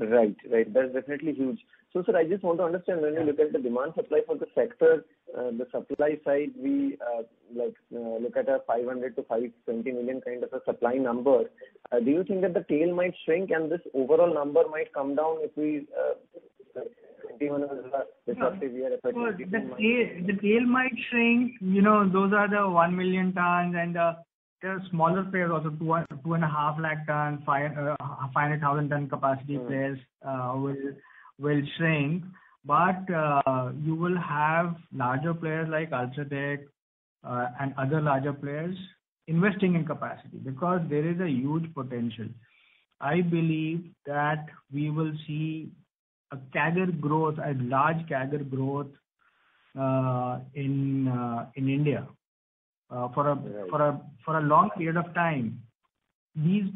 Right. That's definitely huge. Sir, I just want to understand when we look at the demand supply for the sector, the supply side, we look at a 500 million-520 million kind of a supply number. Do you think that the tail might shrink and this overall number might come down in FY 2021? Of course, the tail might shrink. Those are the 1 million ton and the smaller players, also 2.5 lakh ton, 500,000 ton capacity players will shrink. You will have larger players like UltraTech and other larger players investing in capacity because there is a huge potential. I believe that we will see a large CAGR growth in India for a long period of time. These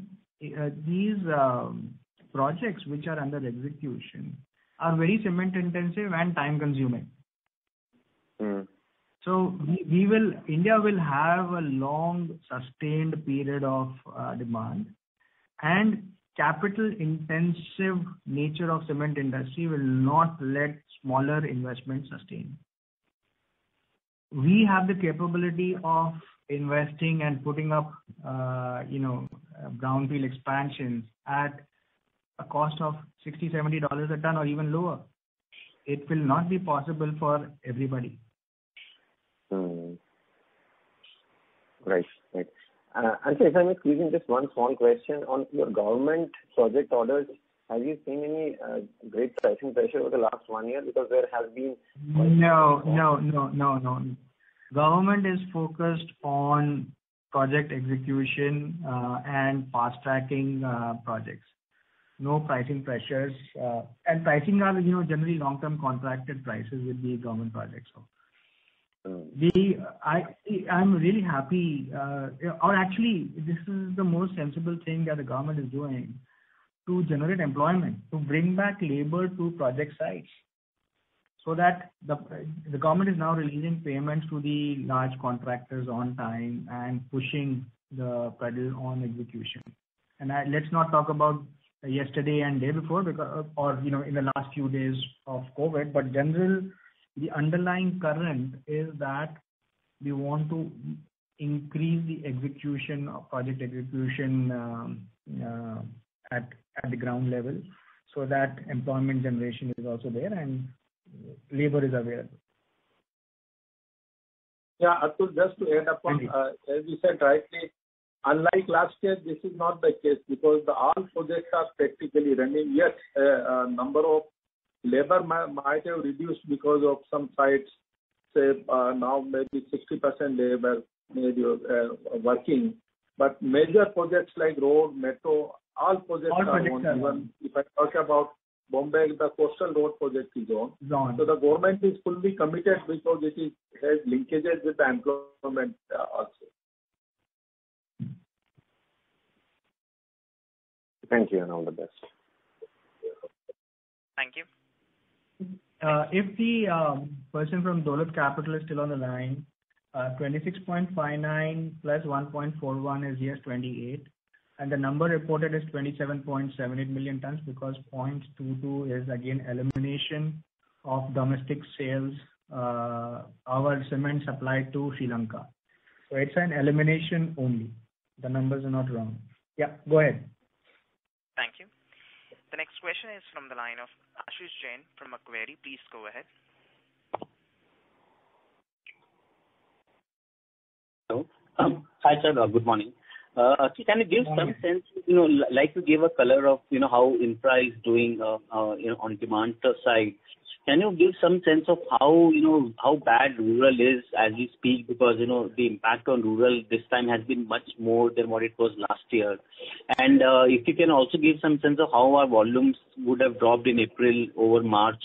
projects which are under execution are very cement intensive and time consuming. India will have a long sustained period of demand and capital intensive nature of cement industry will not let smaller investments sustain. We have the capability of investing and putting up greenfield expansions at a cost of $60, $70 a ton or even lower. It will not be possible for everybody. Mm-hmm. Right. Sir, if I may squeeze in just one small question on your government project orders. Have you seen any great pricing pressure over the last one year? No. Government is focused on project execution and fast tracking projects. No pricing pressures. Pricing are generally long-term contracted prices with the government projects. Sure. I'm really happy. Actually, this is the most sensible thing that the government is doing to generate employment, to bring back labor to project sites. That the government is now releasing payments to the large contractors on time and pushing the pedal on execution. Let's not talk about yesterday and day before or in the last few days of COVID, but general, the underlying current is that we want to increase the project execution at the ground level so that employment generation is also there and labor is available. Atul, just to add up on. You said rightly, unlike last year, this is not the case because all projects are practically running. Yes, number of labor might have reduced because of some sites, say now maybe 60% labor may be working. Major projects like road, metro, all projects are on. All projects are on. Even if I talk about Bombay, the Coastal Road Project is on. Is on. The government is fully committed because it has linkages with the employment also. Thank you, and all the best. Thank you. If the person from Dolat Capital is still on the line, 26.59+ 1.41 is yes, 28. The number reported is 27.78 million tons because 0.22 is again elimination of domestic sales, our cement supply to Sri Lanka. It's an elimination only. The numbers are not wrong. Yeah, go ahead. Thank you. The next question is from the line of Ashish Jain from Macquarie. Please go ahead. Hello. Hi, sir. Good morning. Can you give some sense, like you gave a color of how infra is doing on demand side. Can you give some sense of how bad rural is as we speak? Because the impact on rural this time has been much more than what it was last year. If you can also give some sense of how our volumes would have dropped in April over March.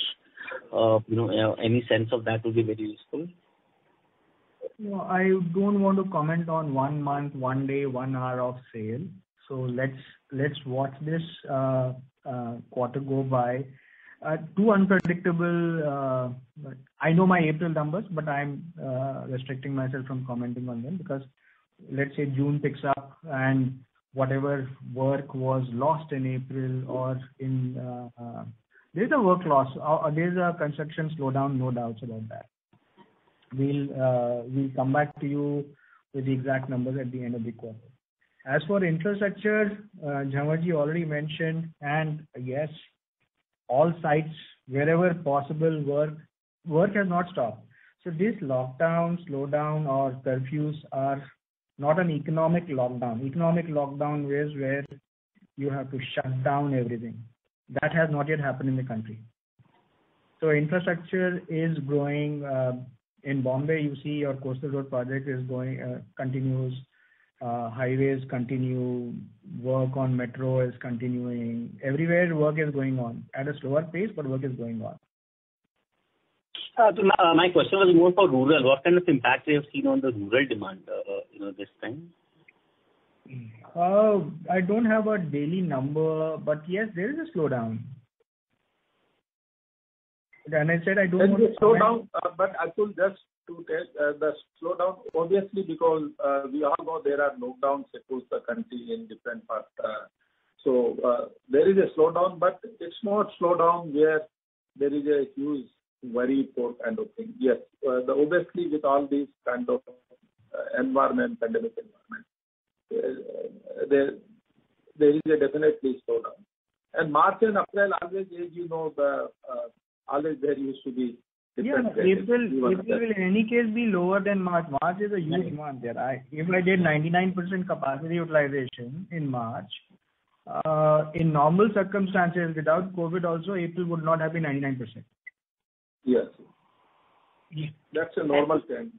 Any sense of that will be very useful. No, I don't want to comment on one month, one day, one hour of sale. Let's watch this quarter go by. Too unpredictable. I know my April numbers, but I'm restricting myself from commenting on them because let's say June picks up and whatever work was lost in April or in There's a work loss. There's a construction slowdown, no doubts about that. We'll come back to you with the exact numbers at the end of the quarter. As for infrastructure, K. C. Jhanwar already mentioned, and yes, all sites wherever possible, work has not stopped. This lockdown, slowdown or curfews are not an economic lockdown. Economic lockdown is where you have to shut down everything. That has not yet happened in the country. Infrastructure is growing. In Bombay, you see your coastal road project continues. Highways continue, work on metro is continuing. Everywhere, work is going on. At a slower pace, but work is going on. My question was more for rural. What kind of impact we have seen on the rural demand this time? I don't have a daily number. Yes, there is a slowdown. There is a slowdown. Atul, just to tell, the slowdown, obviously, because we all know there are lockdowns across the country in different parts. There is a slowdown, but it's not a slowdown where there is a huge, very poor kind of thing. Yes. Obviously, with all this kind of pandemic environment, there is definitely a slowdown. March and April, always there used to be different. Yeah. April will in any case be lower than March. March is a huge month. Even if I did 99% capacity utilization in March, in normal circumstances without COVID also, April would not have been 99%. Yes. That's a normal trend.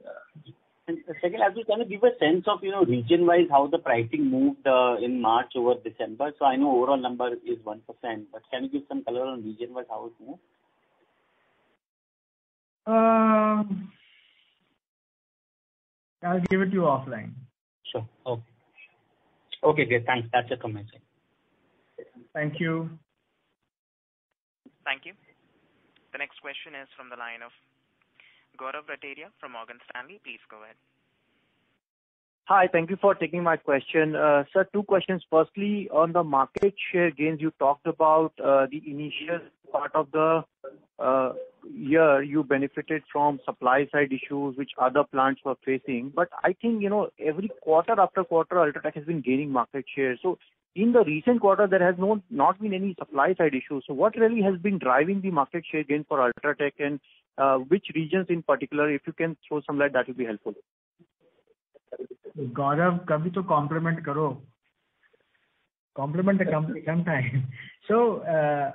Second, Atul, can you give a sense of region-wise how the pricing moved in March over December? I know overall number is 1%, but can you give some color on region-wise how it moved? I'll give it to you offline. Sure. Okay. Okay, great. Thanks. That's it from my side. Thank you. Thank you. The next question is from the line of Gaurav Rateria from Morgan Stanley. Please go ahead. Hi. Thank you for taking my question. Sir, two questions. Firstly, on the market share gains you talked about the initial part of the year, you benefited from supply side issues which other plants were facing. I think, every quarter-after-quarter, UltraTech has been gaining market share. In the recent quarter, there has not been any supply side issues. What really has been driving the market share gain for UltraTech and which regions in particular? If you can throw some light, that would be helpful. Gaurav, compliment. Compliment sometimes.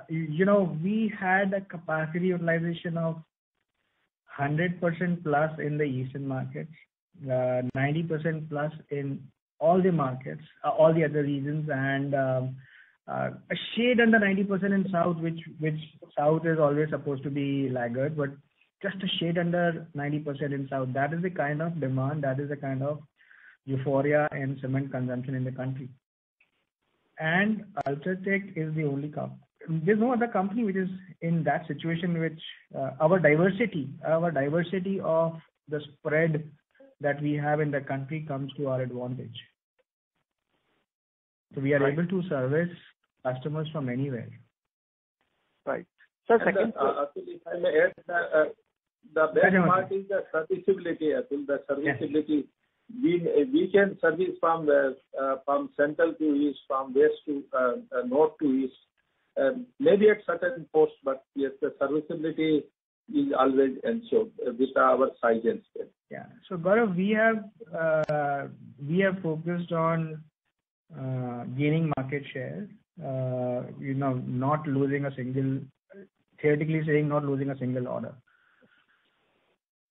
We had a capacity utilization of 100%+ in the eastern markets, 90% plus in all the other regions, and a shade under 90% in south. South is always supposed to be laggard, but just a shade under 90% in south. That is the kind of demand, that is the kind of euphoria in cement consumption in the country. UltraTech is the only company. There's no other company which is in that situation, which our diversity of the spread that we have in the country comes to our advantage. We are able to service customers from anywhere. Right. Sir, second- Atul, if I may add, the best part is the serviceability, Atul. Yes. We can service from central to east, from west to north to east. Maybe at certain costs, but yes, the serviceability is always ensured with our size and scale. Yeah. Gaurav, we have focused on gaining market share. Theoretically saying, not losing a single order.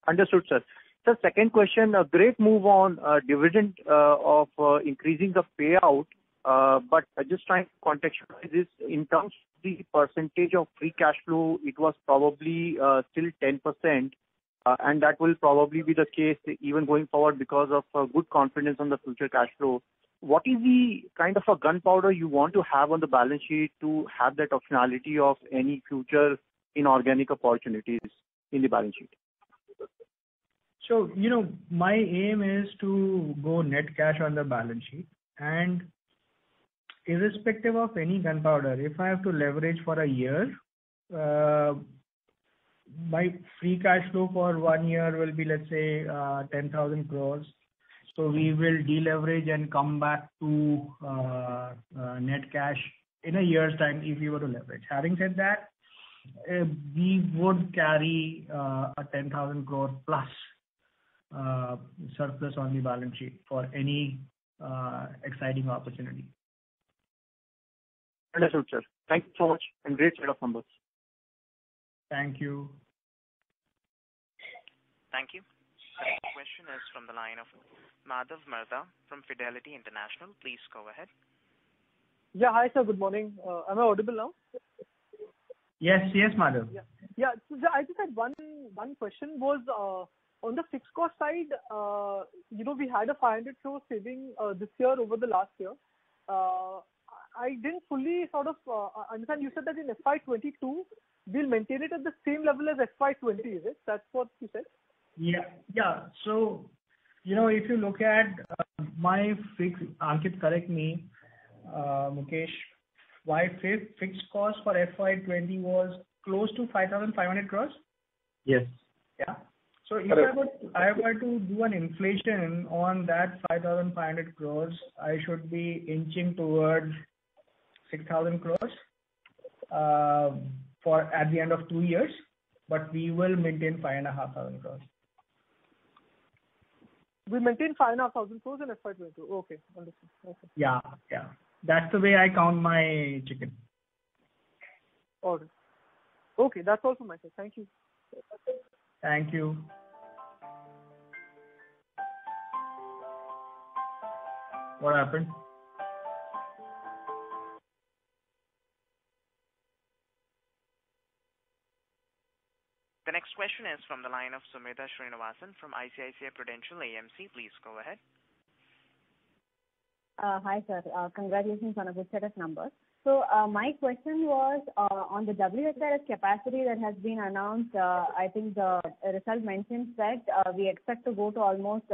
Understood, sir. Sir, second question. A great move on dividend of increasing the payout. Just trying to contextualize this in terms of the percentage of free cash flow, it was probably still 10%. That will probably be the case even going forward because of good confidence on the future cash flow. What is the kind of a gunpowder you want to have on the balance sheet to have that optionality of any future inorganic opportunities in the balance sheet? My aim is to go net cash on the balance sheet, and irrespective of any gunpowder, if I have to leverage for a year, my free cash flow for one year will be, let's say, 10,000 crore. We will deleverage and come back to net cash in a year's time if we were to leverage. Having said that, we would carry a 10,000 crore plus surplus on the balance sheet for any exciting opportunity. Understood, sir. Thank you so much. Great set of numbers. Thank you. Thank you. Our next question is from the line of Madhav Marda from Fidelity International. Please go ahead. Yeah. Hi, sir. Good morning. Am I audible now? Yes, Madhav. Yeah. Sir, I just had one question. On the fixed cost side, we had an 500 crore saving this year over the last year. I didn't fully sort of understand. You said that in FY 2022, we'll maintain it at the same level as FY 2020, is it? That's what you said? Yeah. Ankit, correct me, Mukesh. My fixed cost for FY 2020 was close to 5,500 crores. Yes. Yeah. If I were to do an inflation on that 5,500 crores, I should be inching towards 6,000 crores at the end of two years. We will maintain 5,500 crores. We maintain 5,500 crore in FY 2022. Okay, wonderful. Yeah. That's the way I count my chicken. Got it. Okay. That's all from my side. Thank you. Thank you. What happened? The next question is from the line of Sumita Srinivasan from ICICI Prudential AMC. Please go ahead. Hi, sir. Congratulations on a good set of numbers. My question was on the WHRS capacity that has been announced. I think the result mentions that we expect to go to almost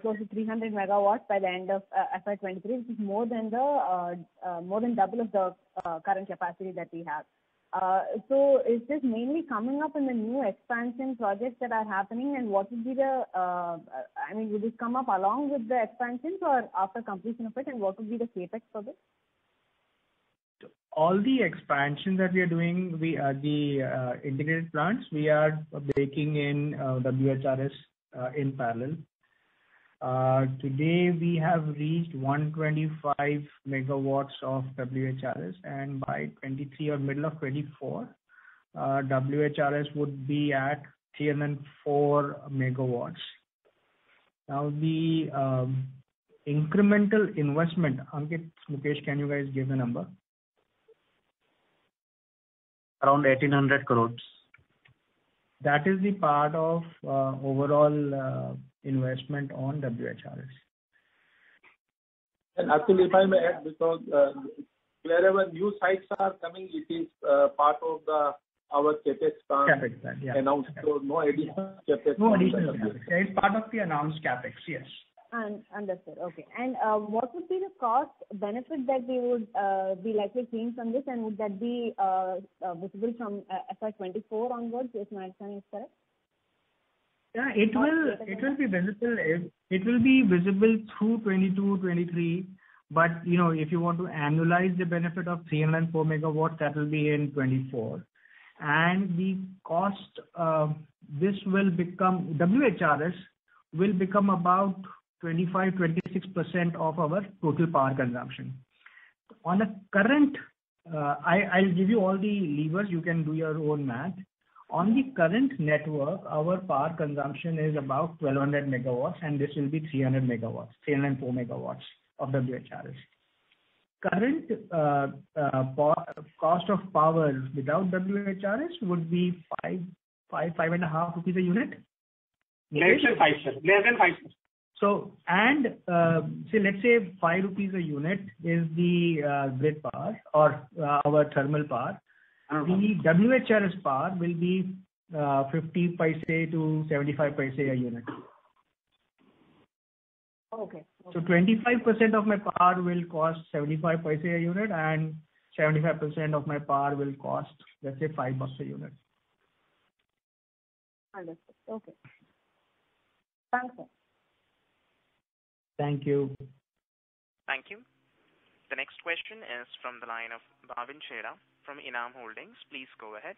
close to 300 MW by the end of FY 2023, which is more than double of the current capacity that we have. Is this mainly coming up in the new expansion projects that are happening? Will this come up along with the expansions or after completion of it, and what would be the CapEx for this? All the expansion that we are doing, the integrated plants, we are taking in WHRS in parallel. Today, we have reached 125 MW of WHRS, and by 2023 or middle of 2024, WHRS would be at 304 MW. The incremental investment, Ankit, Mukesh, can you guys give the number? Around 1,800 crores. That is the part of overall investment on WHRS. Atul Daga, if I may add, because wherever new sites are coming, it is part of our CapEx plan announced. No additional CapEx. No additional CapEx. It's part of the announced CapEx. Yes. Understood. Okay. What would be the cost benefit that we would be likely seeing from this, and would that be visible from FY 2024 onwards, if my understanding is correct? Yeah, it will be visible through 2022, 2023, but if you want to annualize the benefit of 304 MW, that will be in 2024. The cost, WHRS will become about 25%-26% of our total power consumption. I'll give you all the levers, you can do your own math. On the current network, our power consumption is about 1,200 MW, and this will be 300 MW, 304 MW of WHRS. Current cost of power without WHRS would be 5.5-6.5 rupees a unit. Less than INR five. Let's say INR five a unit is the grid power or our thermal power. The WHRS power will be 0.50-0.75 a unit. Okay. 25% of my power will cost 0.75 a unit, and 75% of my power will cost, let's say, INR 5 a unit. Understood. Okay. Thanks, sir. Thank you. Thank you. The next question is from the line of Bhavin Shah from Enam Holdings. Please go ahead.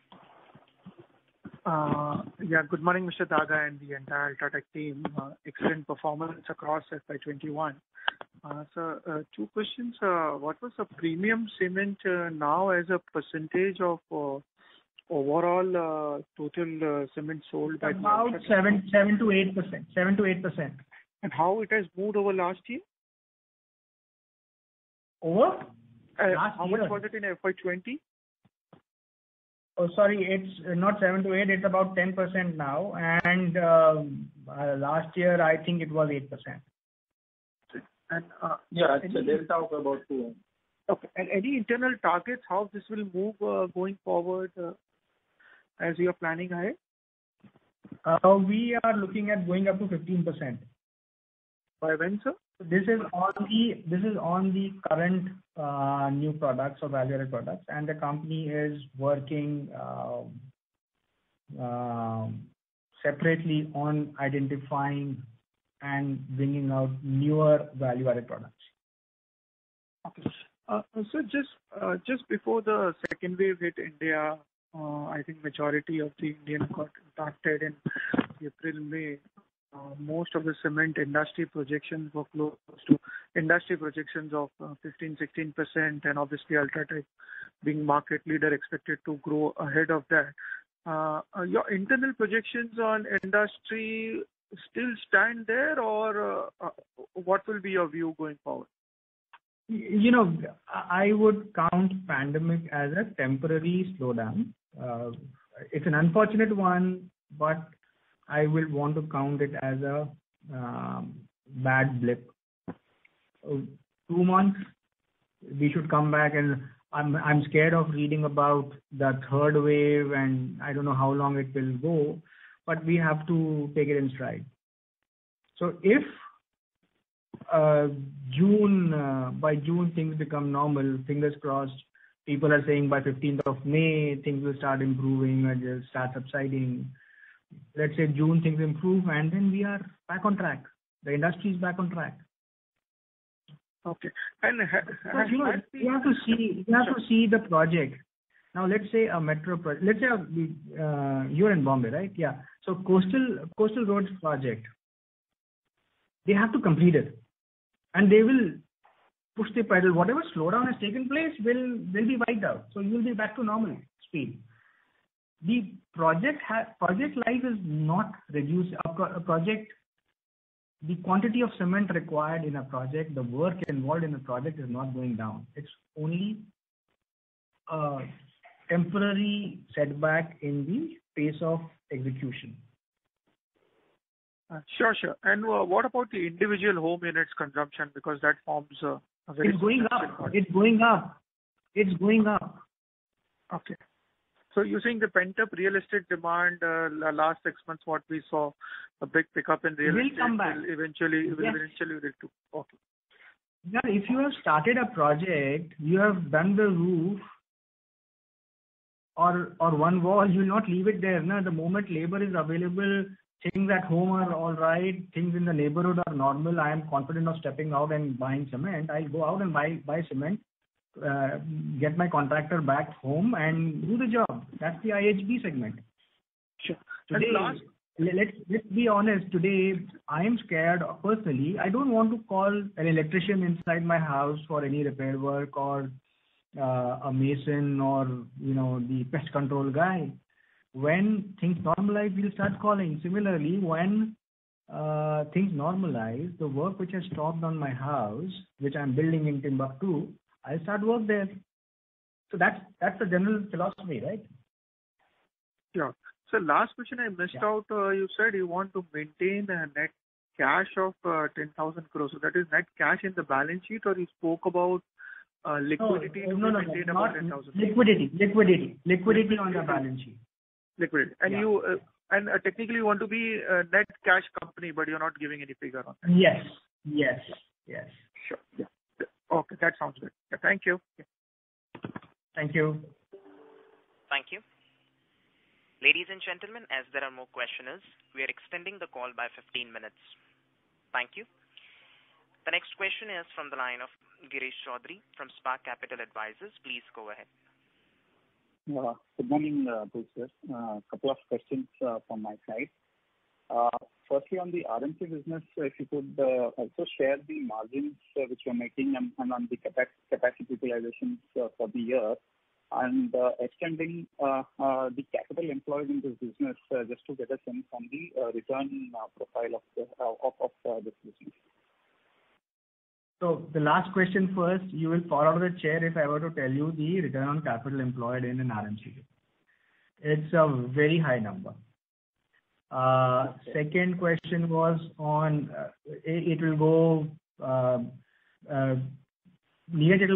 Yeah. Good morning, Mr. Daga and the entire UltraTech team. Excellent performance across FY 2021. Sir, two questions. What was the premium cement now as a percentage of overall total cement sold by UltraTech? About 7%-8%. How it has moved over last year? Over? Last year. How much was it in FY 2020? Oh, sorry, it's not 7%-8%, it's about 10% now. Last year, I think it was 8%. And- Yeah. There's talk about two. Okay. Any internal targets how this will move going forward as you're planning ahead? We are looking at going up to 15%. By when, sir? This is on the current new products or value-added products, and the company is working separately on identifying and bringing out newer value-added products. Okay. Sir, just before the second wave hit India, I think majority of the Indian got impacted in April, May. Most of the cement industry projections were close to industry projections of 15%-16%, and obviously UltraTech being market leader expected to grow ahead of that. Your internal projections on industry still stand there, or what will be your view going forward? I would count pandemic as a temporary slowdown. It's an unfortunate one, but I will want to count it as a bad blip. Two months, we should come back, and I'm scared of reading about the third wave, and I don't know how long it will go, but we have to take it in stride. If by June things become normal, fingers crossed, people are saying by May 15th, things will start improving or just start subsiding. Let's say June things improve, and then we are back on track. The industry is back on track Okay. You have to see the project. Now, let's say you're in Bombay, right? Yeah. Coastal Roads Project, they have to complete it, and they will push the pedal. Whatever slowdown has taken place will be wiped out. You'll be back to normal speed. The project life is not reduced. The quantity of cement required in a project, the work involved in a project is not going down. It's only a temporary setback in the pace of execution. Sure. What about the individual home units consumption? That forms a very substantial part. It's going up. Okay. Using the pent-up real estate demand, last six months, what we saw a big pickup in real estate. Will come back. will eventually relate to. Okay. If you have started a project, you have done the roof or one wall, you'll not leave it there. The moment labor is available, things at home are all right, things in the neighborhood are normal, I am confident of stepping out and buying cement. I'll go out and buy cement, get my contractor back home and do the job. That's the IHB segment. Sure. Let's be honest. Today, I am scared. Personally, I don't want to call an electrician inside my house for any repair work or a mason or the pest control guy. When things normalize, we'll start calling. Similarly, when things normalize, the work which has stopped on my house, which I'm building in Timbuktu, I start work there. That's the general philosophy, right? Sure. Last question I missed out, you said you want to maintain a net cash of 10,000 crores. That is net cash in the balance sheet or you spoke about liquidity- No. You want to maintain about 10,000. Liquidity on the balance sheet. Liquidity. Yeah. Technically, you want to be a net cash company, but you're not giving any figure on that. Yes. Sure. Okay. That sounds good. Thank you. Thank you. Thank you. Ladies and gentlemen, as there are more questioners, we are extending the call by 15 minutes. Thank you. The next question is from the line of Girish Choudhary from Spark Capital Advisors. Please go ahead. Good morning, both of you. A couple of questions from my side. Firstly, on the RMC business, if you could also share the margins which you're making and on the capacity utilizations for the year and extending the capital employed in this business just to get a sense on the return profile of this business. The last question first, you will fall out of the chair if I were to tell you the return on capital employed in an RMC. It's a very high number. Second question was on, it will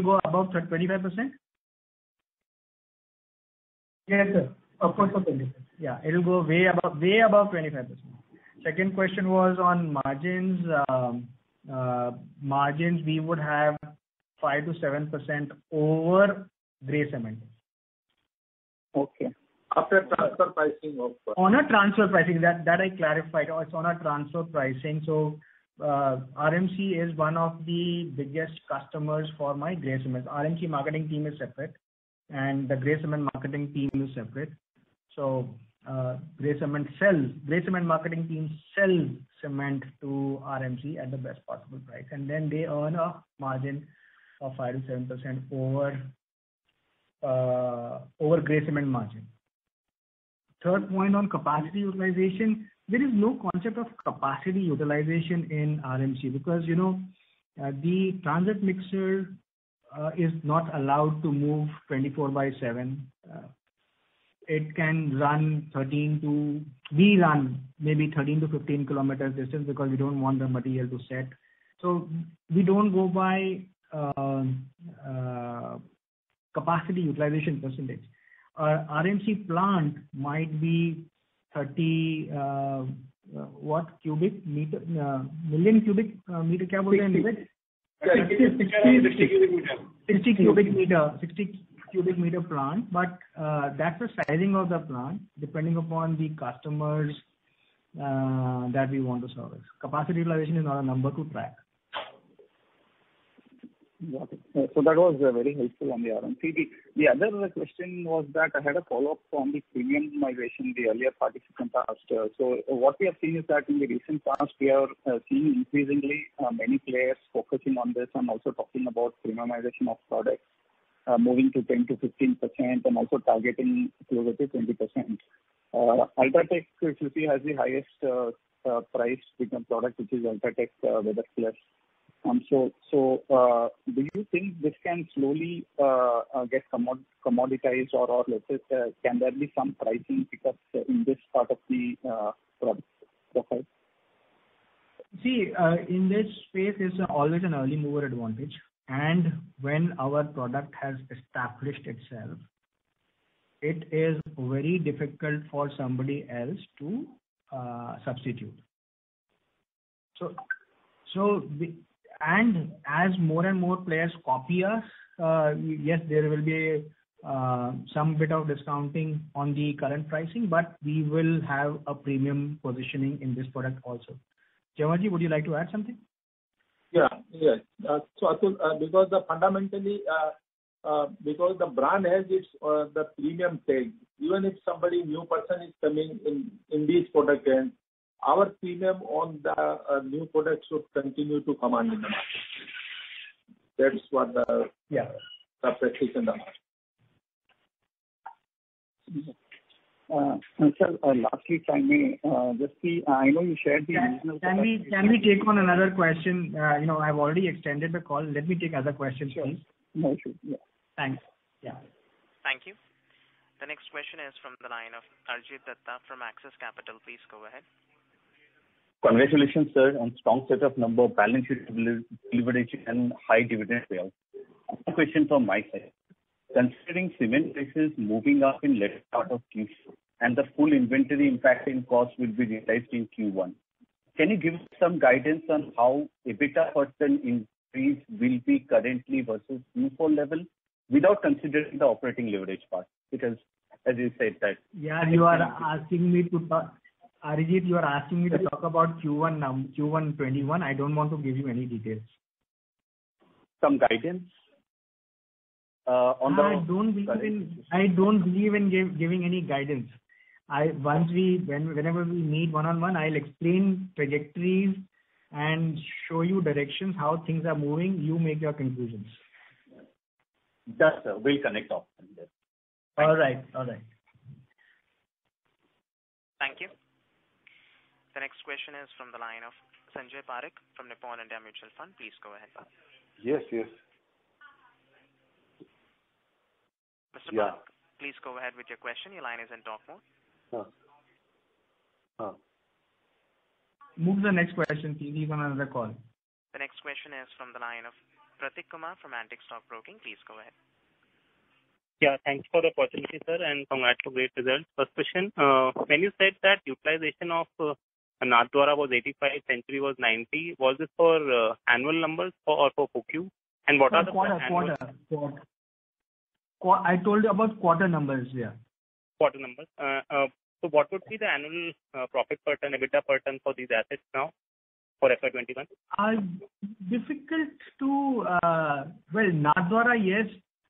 go above 25%? Yes, sir. Of course, above 25%. Yeah, it'll go way above 25%. Second question was on margins. Margins, we would have 5%-7% over grey cement. Okay. On a transfer pricing. That I clarified. It is on a transfer pricing. RMC is one of the biggest customers for my grey cement. RMC marketing team is separate and the grey cement marketing team is separate. Grey cement marketing team sells cement to RMC at the best possible price, and then they earn a margin of 5%-7% over grey cement margin. Third point on capacity utilization. There is no concept of capacity utilization in RMC because the transit mixer is not allowed to move 24/7. We run maybe 13 km-15 km distance because we don't want the material to set. We don't go by capacity utilization percentage. RMC plant might be 30 what cubic meter? Million cubic meter, what do you call that in English? 60. 60. 60 cubic meter. 60 cubic meter plant. That's the sizing of the plant, depending upon the customers that we want to service. Capacity utilization is not a number to track. Got it. That was very helpful on the RMC bit. The other question was that I had a follow-up on the premium migration, the earlier participant asked. What we have seen is that in the recent past, we have seen increasingly many players focusing on this and also talking about premiumization of products, moving to 10%-15% and also targeting closer to 20%. UltraTech, if you see, has the highest priced premium product, which is UltraTech Weather Plus. Do you think this can slowly get commoditized or let's say, can there be some pricing pickups in this part of the product profile? See, in this space, there's always an early mover advantage. When our product has established itself, it is very difficult for somebody else to substitute. As more and more players copy us, yes, there will be some bit of discounting on the current pricing, but we will have a premium positioning in this product also. Jhanwar, would you like to add something? Atul, because fundamentally, because the brand has its premium tag. Even if somebody, new person is coming in this product range, our premium on the new product should continue to command in the market. Yeah the practice in the market. sir, lastly, if I may. Can we take one another question? I've already extended the call. Let me take other questions, please. Sure. No issue. Yeah. Thanks. Yeah. Thank you. The next question is from the line of Arijit Dutta from Axis Capital. Please go ahead. Congratulations, sir, on strong set of number, balance sheet leverage and high dividend payout. Two question from my side. Considering cement prices moving up in latter part of Q4, and the full inventory impact in cost will be realized in Q1, can you give some guidance on how EBITDA per ton increase will be currently versus Q4 level without considering the operating leverage part? Yeah. Arijit, you are asking me to talk about Q1 2021. I don't want to give you any details. Some guidance? I don't believe in giving any guidance. Whenever we meet one-on-one, I'll explain trajectories and show you directions, how things are moving. You make your conclusions. Sure, sir. We'll connect up then. All right. Thank you. The next question is from the line of Sanjay Parekh from Nippon India Mutual Fund. Please go ahead, sir. Yes. Mr. Parekh. Yeah. Please go ahead with your question. Your line is in talk mode. Oh. Move to the next question, please. He's on another call. The next question is from the line of Prateek Tayal from Antique Stock Broking. Please go ahead. Yeah, thanks for the opportunity, sir, and congrats to great results. First question. When you said that utilization of Nathdwara was 85, Century was 90, was this for annual numbers or for per Q? What are the- Quarter. I told you about quarter numbers, yeah. Quarter numbers. What would be the annual profit per ton, EBITDA per ton for these assets now, for FY 2021? Well, Nathdwara, yes.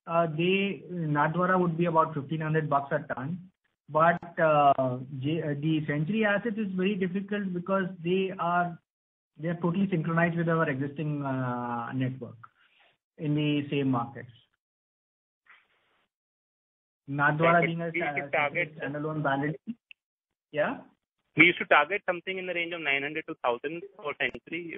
Nathdwara would be about INR 1,500 a ton. The Century asset is very difficult because they are totally synchronized with our existing network in the same markets. Nathdwara being a standalone entity. Yeah? We used to target something in the range of 900-1,000 for Century.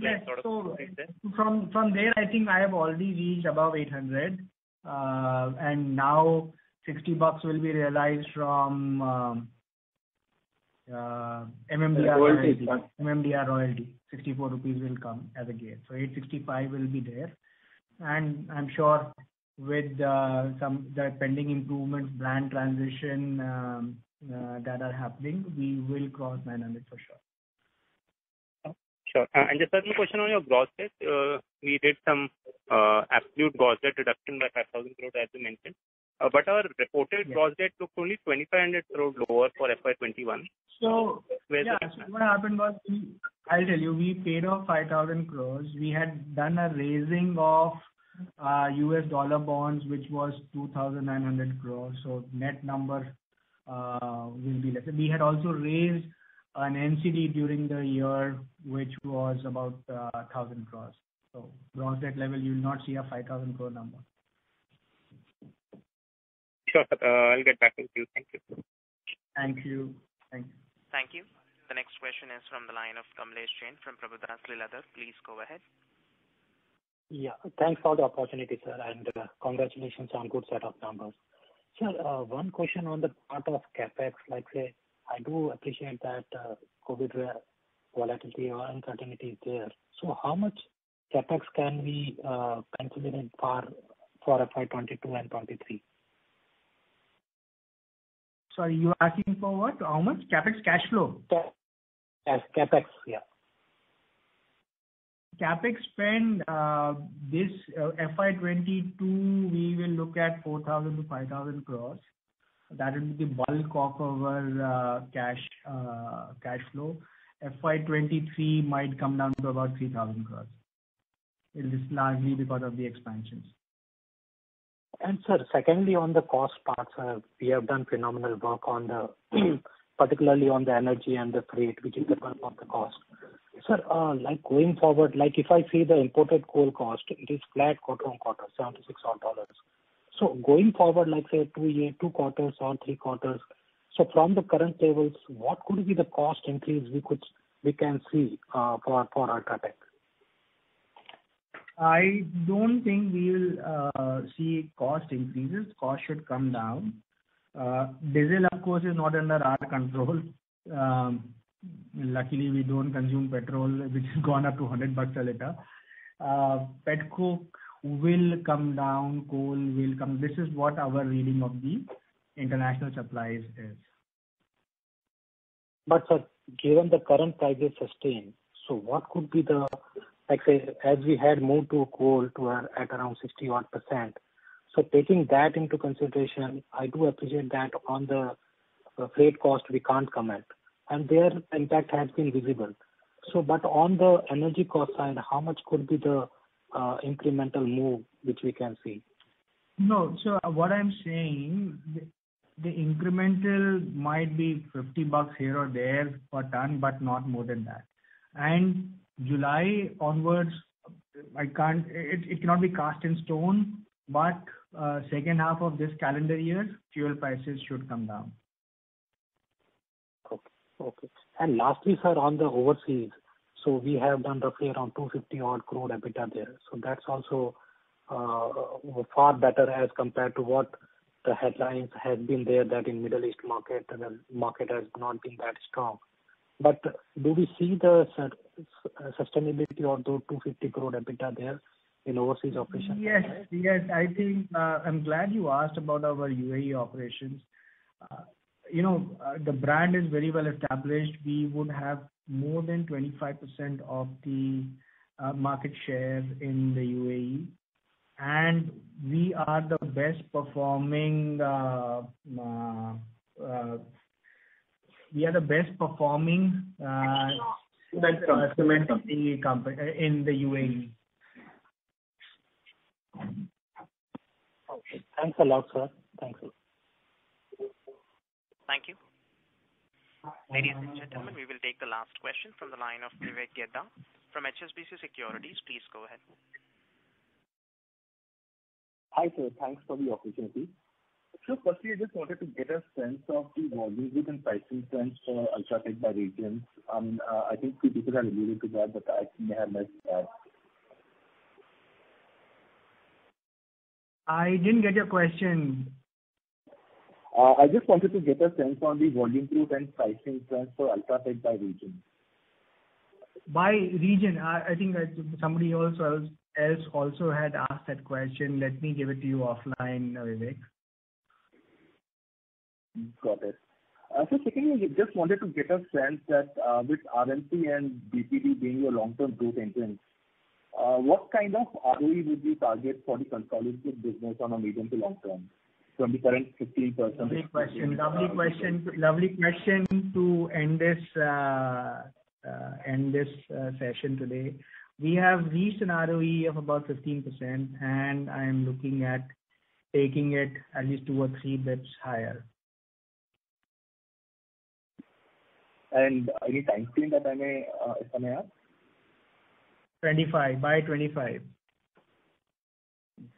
Yes. From there, I think I have already reached above 800. Now INR 60 will be realized from MMDR royalty. 64 rupees will come as arrear. 865 will be there. I'm sure with some pending improvements, brand transition that are happening, we will cross 900 for sure. Sure. Just second question on your gross debt. We did some absolute gross debt reduction by 5,000 crore as you mentioned. Our reported gross debt took only 2,500 crore lower for FY 2021. What happened was, I will tell you, we paid off 5,000 crore. We had done a raising of U.S. dollar bonds, which was 2,900 crore. Net number will be less. We had also raised an NCD during the year, which was about 1,000 crore. Gross debt level, you will not see an 5,000 crore number. Sure. I'll get back with you. Thank you, sir. Thank you. Thanks. Thank you. The next question is from the line of Kamlesh Jain from Prabhudas Lilladher. Please go ahead. Yeah. Thanks for the opportunity, sir, and congratulations on good set of numbers. Sir, one question on the part of CapEx. Like say, I do appreciate that COVID volatility or uncertainty is there. How much CapEx can we consider in for FY 2022 and 2023? Sorry, you're asking for what? How much CapEx cash flow? CapEx. Yeah. CapEx spend this FY 2022, we will look at 4,000 crores-5,000 crores. That will be the bulk of our cash flow. FY 2023 might come down to about 3,000 crores. It is largely because of the expansions. Sir, secondly, on the cost part, sir, we have done phenomenal work, particularly on the energy and the freight, which is the bulk of the cost. Sir, going forward, if I see the imported coal cost, it is flat quarter-on-quarter, $76 or dollars. Going forward, say two quarters or three quarters, so from the current levels, what could be the cost increase we can see for UltraTech? I don't think we'll see cost increases. Cost should come down. Diesel, of course, is not under our control. Luckily, we don't consume petrol, which has gone up to INR 100 a liter. Pet coke will come down. This is what our reading of the international supplies is. Sir, given the current prices sustained, what could be the Like say, as we had moved to coal to at around 61%. Taking that into consideration, I do appreciate that on the freight cost we can't comment, and their impact has been visible. On the energy cost side, how much could be the incremental move which we can see? No. What I'm saying, the incremental might be $50 here or there per ton, but not more than that. July onwards, it cannot be cast in stone, but second half of this calendar year, fuel prices should come down. Okay. Lastly, sir, on the overseas. We have done roughly around 250 odd crore EBITDA there. That's also far better as compared to what the headlines had been there that in Middle East market, the market has not been that strong. Do we see the sustainability of the 250 crore EBITDA there in overseas operations? Yes. I'm glad you asked about our UAE operations. The brand is very well established. We would have more than 25% of the market share in the UAE. We are the best performing cement company in the UAE. Okay. Thanks a lot, sir. Thank you. Thank you. Ladies and gentlemen, we will take the last question from the line of Vivek Geda from HSBC Securities. Please go ahead. Hi, sir. Thanks for the opportunity. Firstly, I just wanted to get a sense of the volume group and pricing trends for UltraTech by regions. I think a few people have alluded to that, but I actually may have missed that. I didn't get your question. I just wanted to get a sense on the volume growth and pricing trends for UltraTech by region. By region. I think somebody else also had asked that question. Let me give it to you offline, Vivek. Got it. Secondly, just wanted to get a sense that with RMC and BPD being your long-term growth engines, what kind of ROE would you target for the consolidated business on a medium to long-term from the current 15%? Great question. Lovely question to end this session today. We have reached an ROE of about 15%, and I am looking at taking it at least two or three bps higher. Any time frame that I may estimate? By 2025.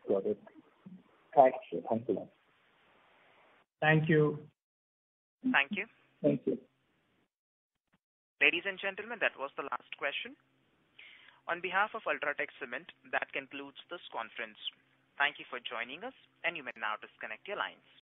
Got it. Thanks. Thank you. Thank you. Thank you. Thank you. Ladies and gentlemen, that was the last question. On behalf of UltraTech Cement, that concludes this conference. Thank you for joining us, and you may now disconnect your lines.